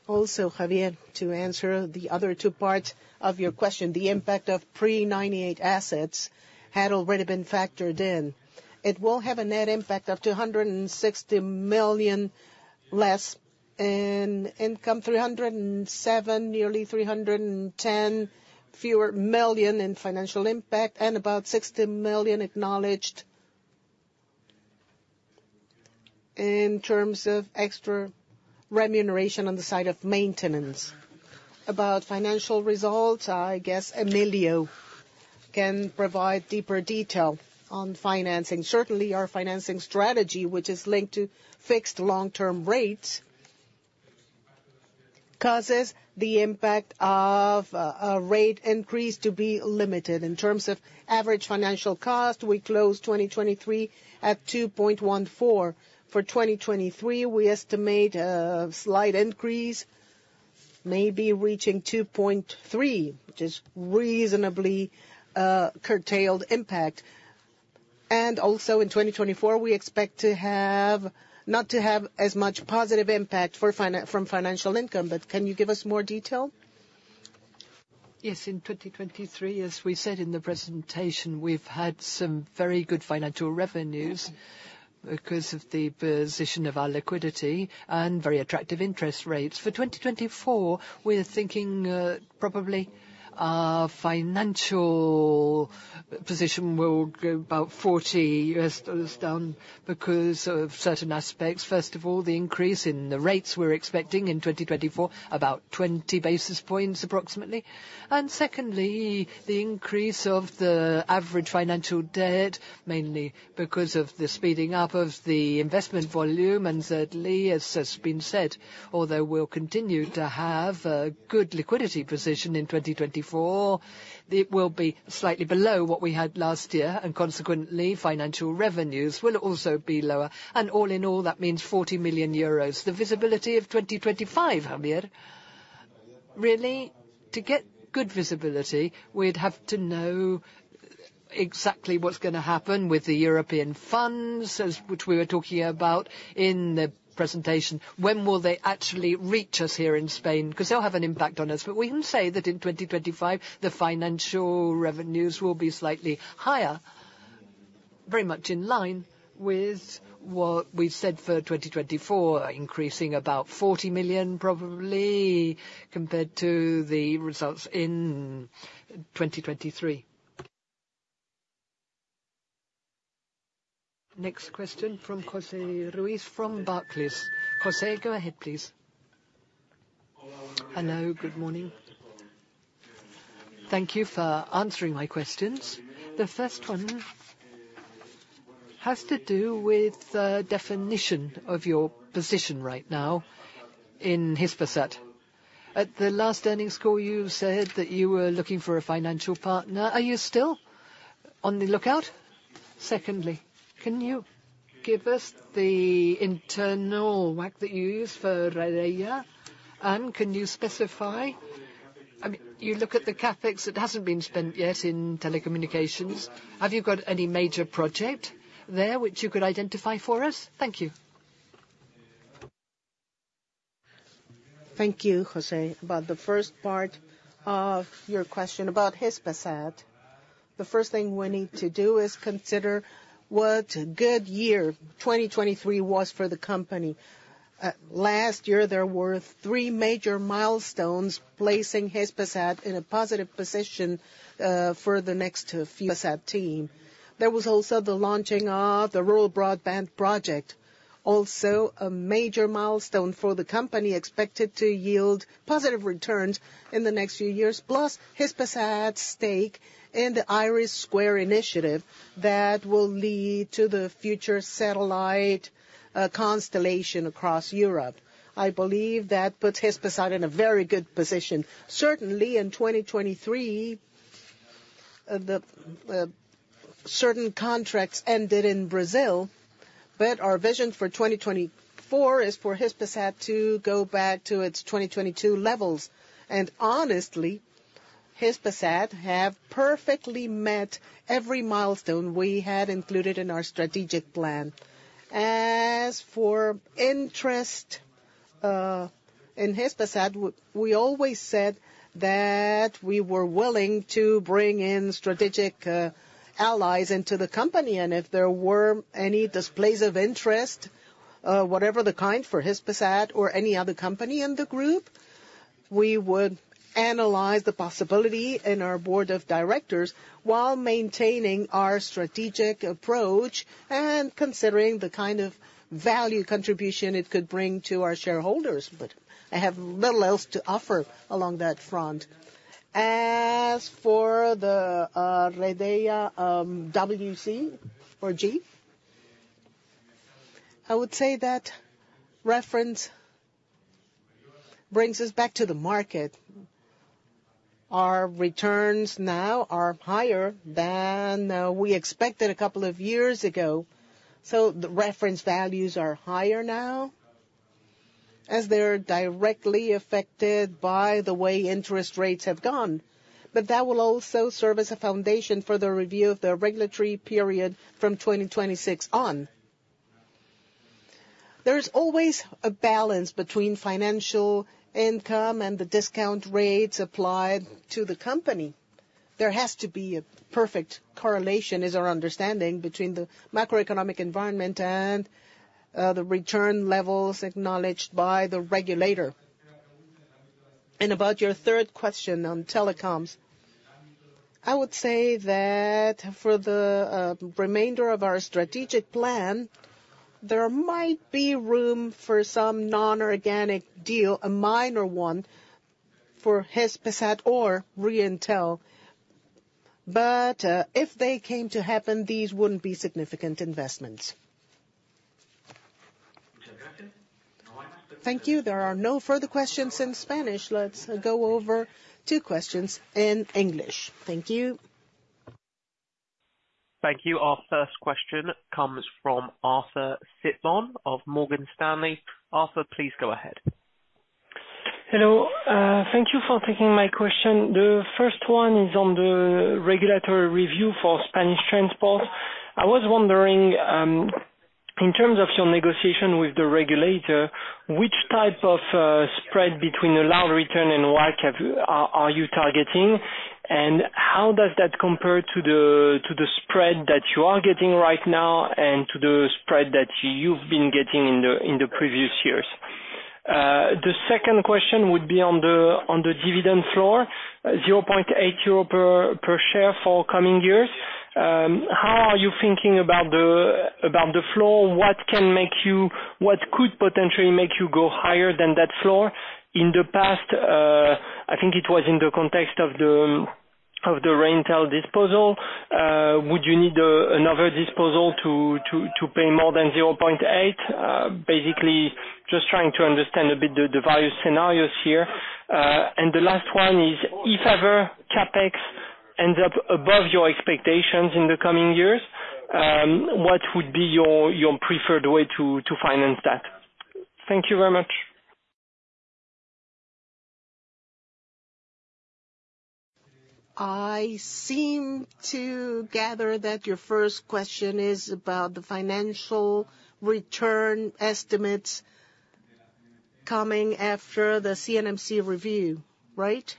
Also, Javier, to answer the other two parts of your question, the impact of pre-98 assets had already been factored in. It will have a net impact up to 160 million less in income, 307 million, nearly 310 million fewer in financial impact, and about 60 million acknowledged in terms of extra remuneration on the side of maintenance. About financial results, I guess Emilio can provide deeper detail on financing. Certainly, our financing strategy, which is linked to fixed long-term rates, causes the impact of a rate increase to be limited. In terms of average financial cost, we closed 2023 at 2.14. For 2023, we estimate a slight increase, maybe reaching 2.3, which is reasonably, curtailed impact. And also in 2024, we expect to have not to have as much positive impact for finan from financial income, but can you give us more detail? Yes. In 2023, as we said in the presentation, we've had some very good financial revenues because of the position of our liquidity and very attractive interest rates. For 2024, we're thinking, probably our financial position will go about $40 down because of certain aspects. First of all, the increase in the rates we're expecting in 2024, about 20 basis points approximately. And secondly, the increase of the average financial debt, mainly because of the speeding up of the investment volume. And thirdly, as has been said, although we'll continue to have a good liquidity position in 2024, it will be slightly below what we had last year, and consequently, financial revenues will also be lower. And all in all, that means 40 million euros. The visibility of 2025, Javier? Really, to get good visibility, we'd have to know exactly what's going to happen with the European funds, as we were talking about in the presentation. When will they actually reach us here in Spain? Because they'll have an impact on us, but we can say that in 2025, the financial revenues will be slightly higher, very much in line with what we've said for 2024, increasing about 40 million probably compared to the results in 2023. Next question from José Ruiz from Barclays. José, go ahead, please. Hello. Good morning. Thank you for answering my questions. The first one has to do with the definition of your position right now in Hispasat. At the last earnings call, you said that you were looking for a financial partner. Are you still on the lookout? Secondly, can you give us the internal WACC that you use for Redeia? And can you specify? I mean, you look at the CapEx that hasn't been spent yet in telecommunications. Have you got any major project there which you could identify for us? Thank you. Thank you, José, about the first part of your question about Hispasat. The first thing we need to do is consider what a good year 2023 was for the company. Last year, there were three major milestones placing Hispasat in a positive position, for the next few Hispasat team. There was also the launching of the Rural Broadband Project, also a major milestone for the company expected to yield positive returns in the next few years, plus Hispasat's stake in the IRIS² initiative that will lead to the future satellite constellation across Europe. I believe that puts Hispasat in a very good position. Certainly, in 2023, certain contracts ended in Brazil, but our vision for 2024 is for Hispasat to go back to its 2022 levels. And honestly, Hispasat have perfectly met every milestone we had included in our strategic plan. As for interest in Hispasat, we always said that we were willing to bring in strategic allies into the company. And if there were any displays of interest, whatever the kind for Hispasat or any other company in the group, we would analyze the possibility in our board of directors while maintaining our strategic approach and considering the kind of value contribution it could bring to our shareholders. But I have little else to offer along that front. As for the Redeia WACC, I would say that reference brings us back to the market. Our returns now are higher than we expected a couple of years ago. So the reference values are higher now as they're directly affected by the way interest rates have gone, but that will also serve as a foundation for the review of the regulatory period from 2026 on. There's always a balance between financial income and the discount rates applied to the company. There has to be a perfect correlation, is our understanding, between the macroeconomic environment and, the return levels acknowledged by the regulator. And about your third question on telecoms, I would say that for the, remainder of our strategic plan, there might be room for some non-organic deal, a minor one for Hispasat or Reintel. But, if they came to happen, these wouldn't be significant investments. Thank you. There are no further questions in Spanish. Let's go over two questions in English. Thank you. Thank you. Our first question comes from Arthur Sitbon of Morgan Stanley. Arthur, please go ahead. Hello. Thank you for taking my question. The first one is on the regulatory review for Spanish transmission. I was wondering, in terms of your negotiation with the regulator, which type of spread between allowed return and WACC are you targeting, and how does that compare to the spread that you are getting right now and to the spread that you've been getting in the previous years? The second question would be on the dividend floor, 0.8 euro per share for coming years. How are you thinking about the floor? What could potentially make you go higher than that floor? In the past, I think it was in the context of the Reintel disposal. Would you need another disposal to pay more than 0.8? Basically, just trying to understand a bit the various scenarios here. The last one is, if ever CapEx ends up above your expectations in the coming years, what would be your preferred way to finance that? Thank you very much. I seem to gather that your first question is about the financial return estimates coming after the CNMC review, right?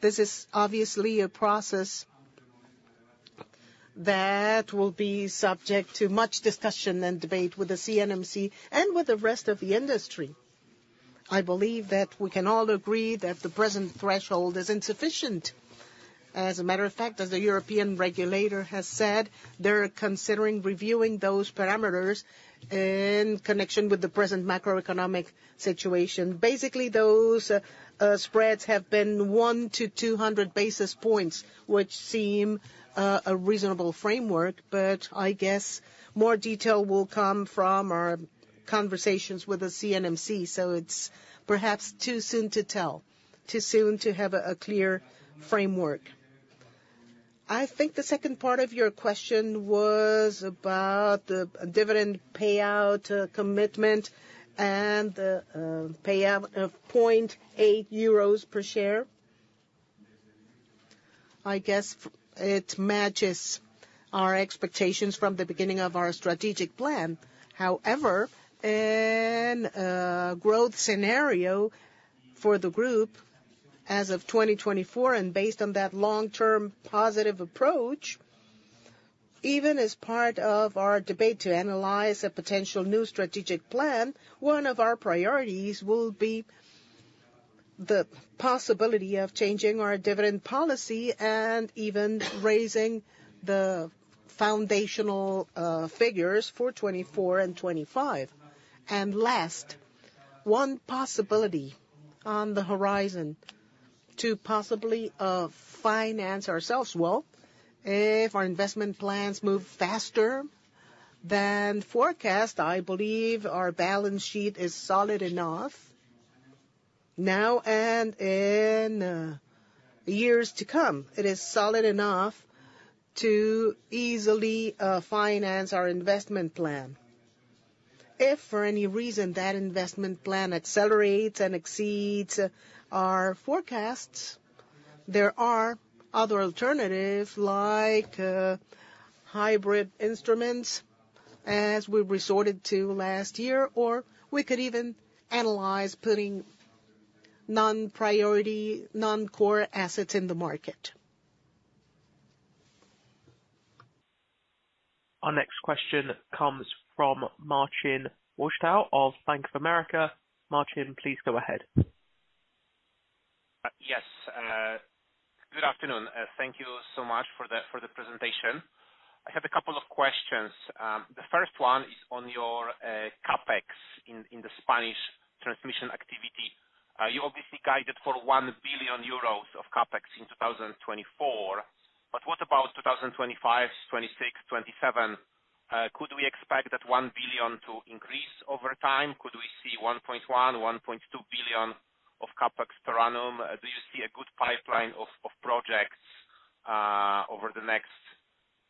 This is obviously a process that will be subject to much discussion and debate with the CNMC and with the rest of the industry. I believe that we can all agree that the present threshold is insufficient. As a matter of fact, as the European regulator has said, they're considering reviewing those parameters in connection with the present macroeconomic situation. Basically, those spreads have been 1 to 200 basis points, which seem a reasonable framework, but I guess more detail will come from our conversations with the CNMC. So it's perhaps too soon to tell, too soon to have a clear framework. I think the second part of your question was about the dividend payout commitment and the payout of 0.8 euros per share. I guess it matches our expectations from the beginning of our strategic plan. However, in a growth scenario for the group as of 2024 and based on that long-term positive approach, even as part of our debate to analyze a potential new strategic plan, one of our priorities will be the possibility of changing our dividend policy and even raising the foundational figures for 2024 and 2025. And last, one possibility on the horizon to possibly finance ourselves well, if our investment plans move faster than forecast. I believe our balance sheet is solid enough now and in years to come. It is solid enough to easily finance our investment plan. If for any reason that investment plan accelerates and exceeds our forecasts, there are other alternatives like hybrid instruments as we resorted to last year, or we could even analyze putting non-priority, non-core assets in the market. Our next question comes from [Martin Worschtau] of Bank of America. Martin, please go ahead. Yes. Good afternoon. Thank you so much for the presentation. I have a couple of questions. The first one is on your CapEx in the Spanish transmission activity. You obviously guided for 1 billion euros of CapEx in 2024, but what about 2025, 2026, 2027? Could we expect that 1 billion to increase over time? Could we see 1.1 billion, 1.2 billion of CapEx per annum? Do you see a good pipeline of projects over the next,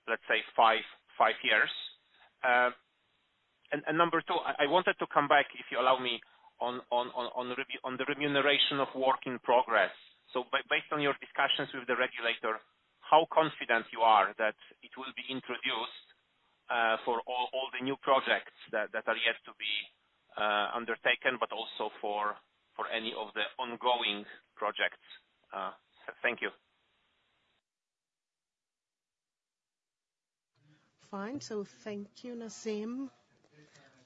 let's say, five years? And number two, I wanted to come back, if you allow me, on review on the remuneration of Work in Progress. So based on your discussions with the regulator, how confident you are that it will be introduced for all the new projects that are yet to be undertaken, but also for any of the ongoing projects? Thank you. Fine. So thank you, Nassim.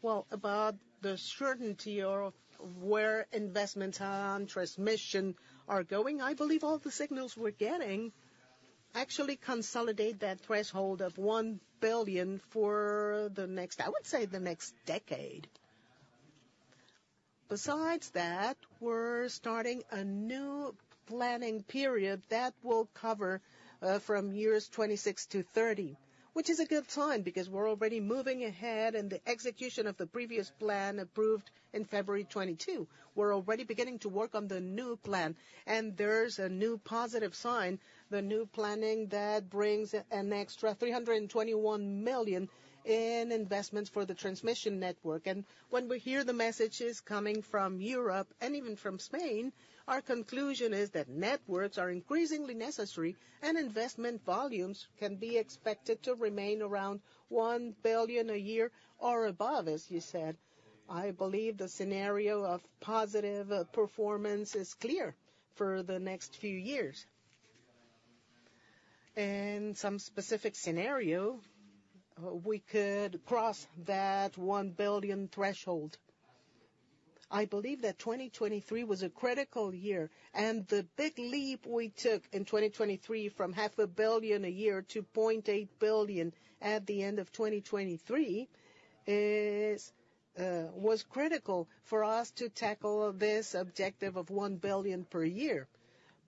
Well, about the certainty of where investments and transmission are going, I believe all the signals we're getting actually consolidate that threshold of 1 billion for the next I would say the next decade. Besides that, we're starting a new planning period that will cover from years 2026 to 2030, which is a good time because we're already moving ahead in the execution of the previous plan approved in February 2022. We're already beginning to work on the new plan, and there's a new positive sign, the new planning that brings an extra 321 million in investments for the transmission network. And when we hear the messages coming from Europe and even from Spain, our conclusion is that networks are increasingly necessary, and investment volumes can be expected to remain around 1 billion a year or above, as you said. I believe the scenario of positive performance is clear for the next few years. In some specific scenario, we could cross that 1 billion threshold. I believe that 2023 was a critical year, and the big leap we took in 2023 from 0.5 billion a year to 0.8 billion at the end of 2023 is, was critical for us to tackle this objective of 1 billion per year.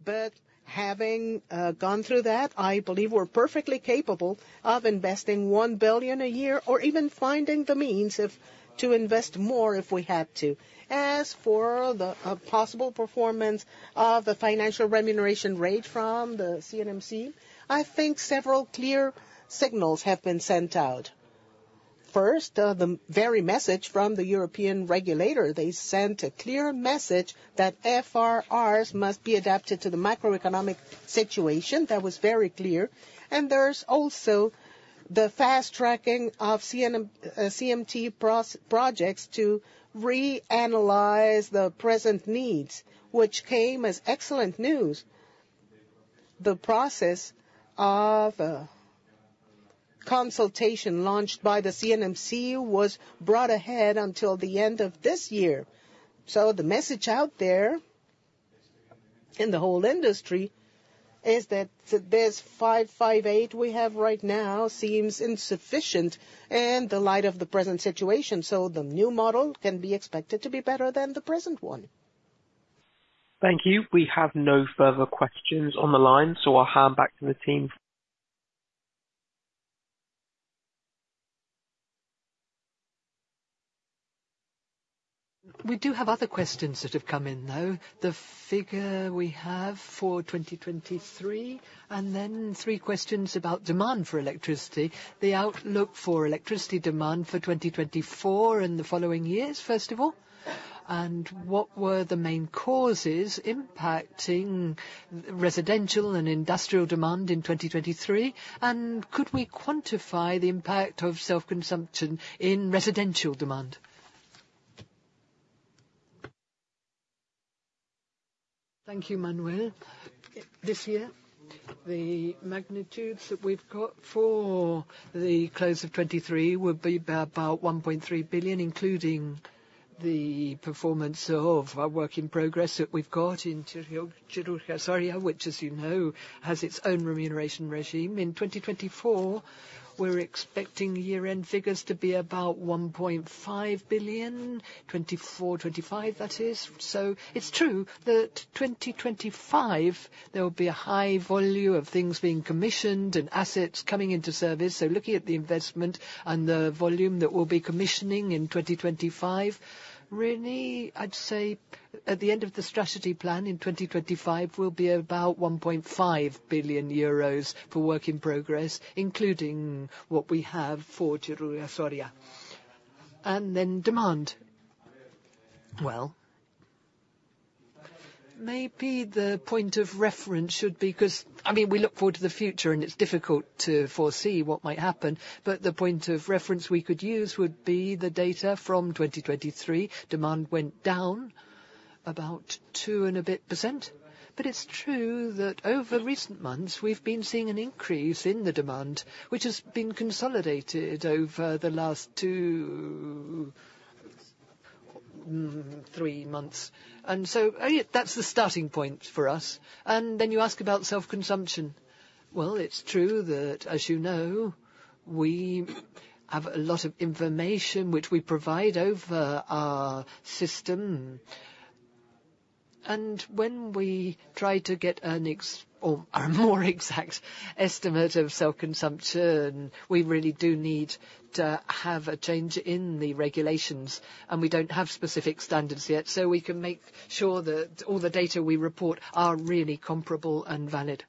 But having gone through that, I believe we're perfectly capable of investing 1 billion a year or even finding the means to invest more if we had to. As for the possible performance of the financial remuneration rate from the CNMC, I think several clear signals have been sent out. First, the very message from the European regulator. They sent a clear message that FRRs must be adapted to the macroeconomic situation. That was very clear. There's also the fast tracking of CNMC-approved projects to reanalyze the present needs, which came as excellent news. The process of consultation launched by the CNMC was brought ahead until the end of this year. So the message out there in the whole industry is that this 5.58% we have right now seems insufficient in the light of the present situation, so the new model can be expected to be better than the present one. Thank you. We have no further questions on the line, so I'll hand back to the team. We do have other questions that have come in, though. The figure we have for 2023 and then three questions about demand for electricity, the outlook for electricity demand for 2024 and the following years, first of all. What were the main causes impacting residential and industrial demand in 2023, and could we quantify the impact of self-consumption in residential demand? Thank you, Manuel. This year, the magnitudes that we've got for the close of 2023 would be about 1.3 billion, including the performance of our Work in Progress that we've got in Chira-Soria, which, as you know, has its own remuneration regime. In 2024, we're expecting year-end figures to be about 1.5 billion, 2024, 2025, that is. So it's true that 2025, there'll be a high volume of things being commissioned and assets coming into service. So looking at the investment and the volume that we'll be commissioning in 2025, really, I'd say at the end of the strategy plan in 2025 will be about 1.5 billion euros for Work in Progress, including what we have for Chira-Soria. And then demand. Well, maybe the point of reference should be 'cause, I mean, we look forward to the future, and it's difficult to foresee what might happen, but the point of reference we could use would be the data from 2023. Demand went down about 2% and a bit, but it's true that over recent months, we've been seeing an increase in the demand, which has been consolidated over the last two, three months. And so, that's the starting point for us. And then you ask about self-consumption. Well, it's true that, as you know, we have a lot of information which we provide over our system. When we try to get an exact or a more exact estimate of self-consumption, we really do need to have a change in the regulations, and we don't have specific standards yet, so we can make sure that all the data we report are really comparable and valid.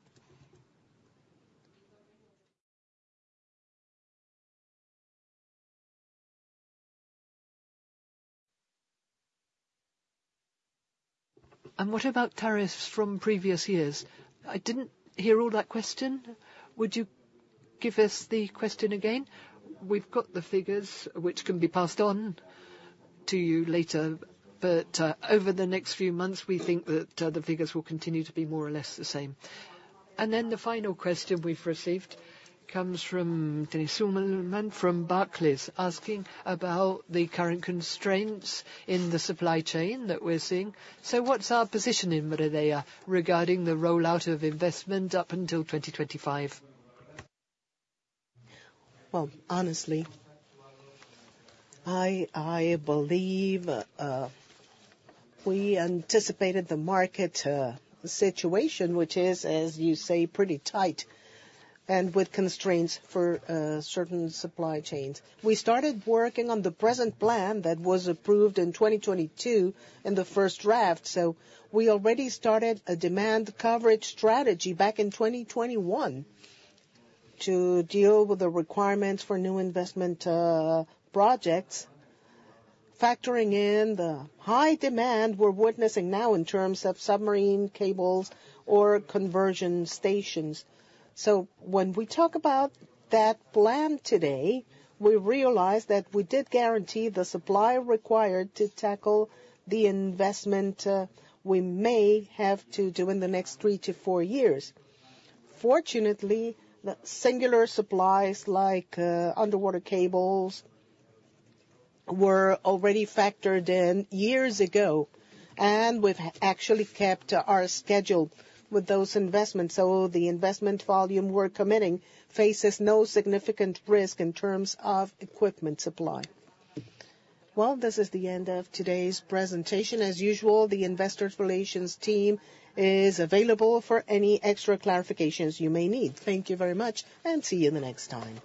What about tariffs from previous years? I didn't hear all that question. Would you give us the question again? We've got the figures, which can be passed on to you later, but over the next few months, we think that the figures will continue to be more or less the same. Then the final question we've received comes from Denis Suman from Barclays, asking about the current constraints in the supply chain that we're seeing. So what's our position in Redeia regarding the rollout of investment up until 2025? Well, honestly, I, I believe we anticipated the market situation, which is, as you say, pretty tight and with constraints for certain supply chains. We started working on the present plan that was approved in 2022 in the first draft, so we already started a demand coverage strategy back in 2021 to deal with the requirements for new investment projects, factoring in the high demand we're witnessing now in terms of submarine cables or conversion stations. So when we talk about that plan today, we realize that we did guarantee the supply required to tackle the investment we may have to do in the next 3-4 years. Fortunately, the singular supplies like underwater cables were already factored in years ago, and we've actually kept our schedule with those investments, so the investment volume we're committing faces no significant risk in terms of equipment supply. Well, this is the end of today's presentation. As usual, the Investor Relations team is available for any extra clarifications you may need. Thank you very much, and see you the next time.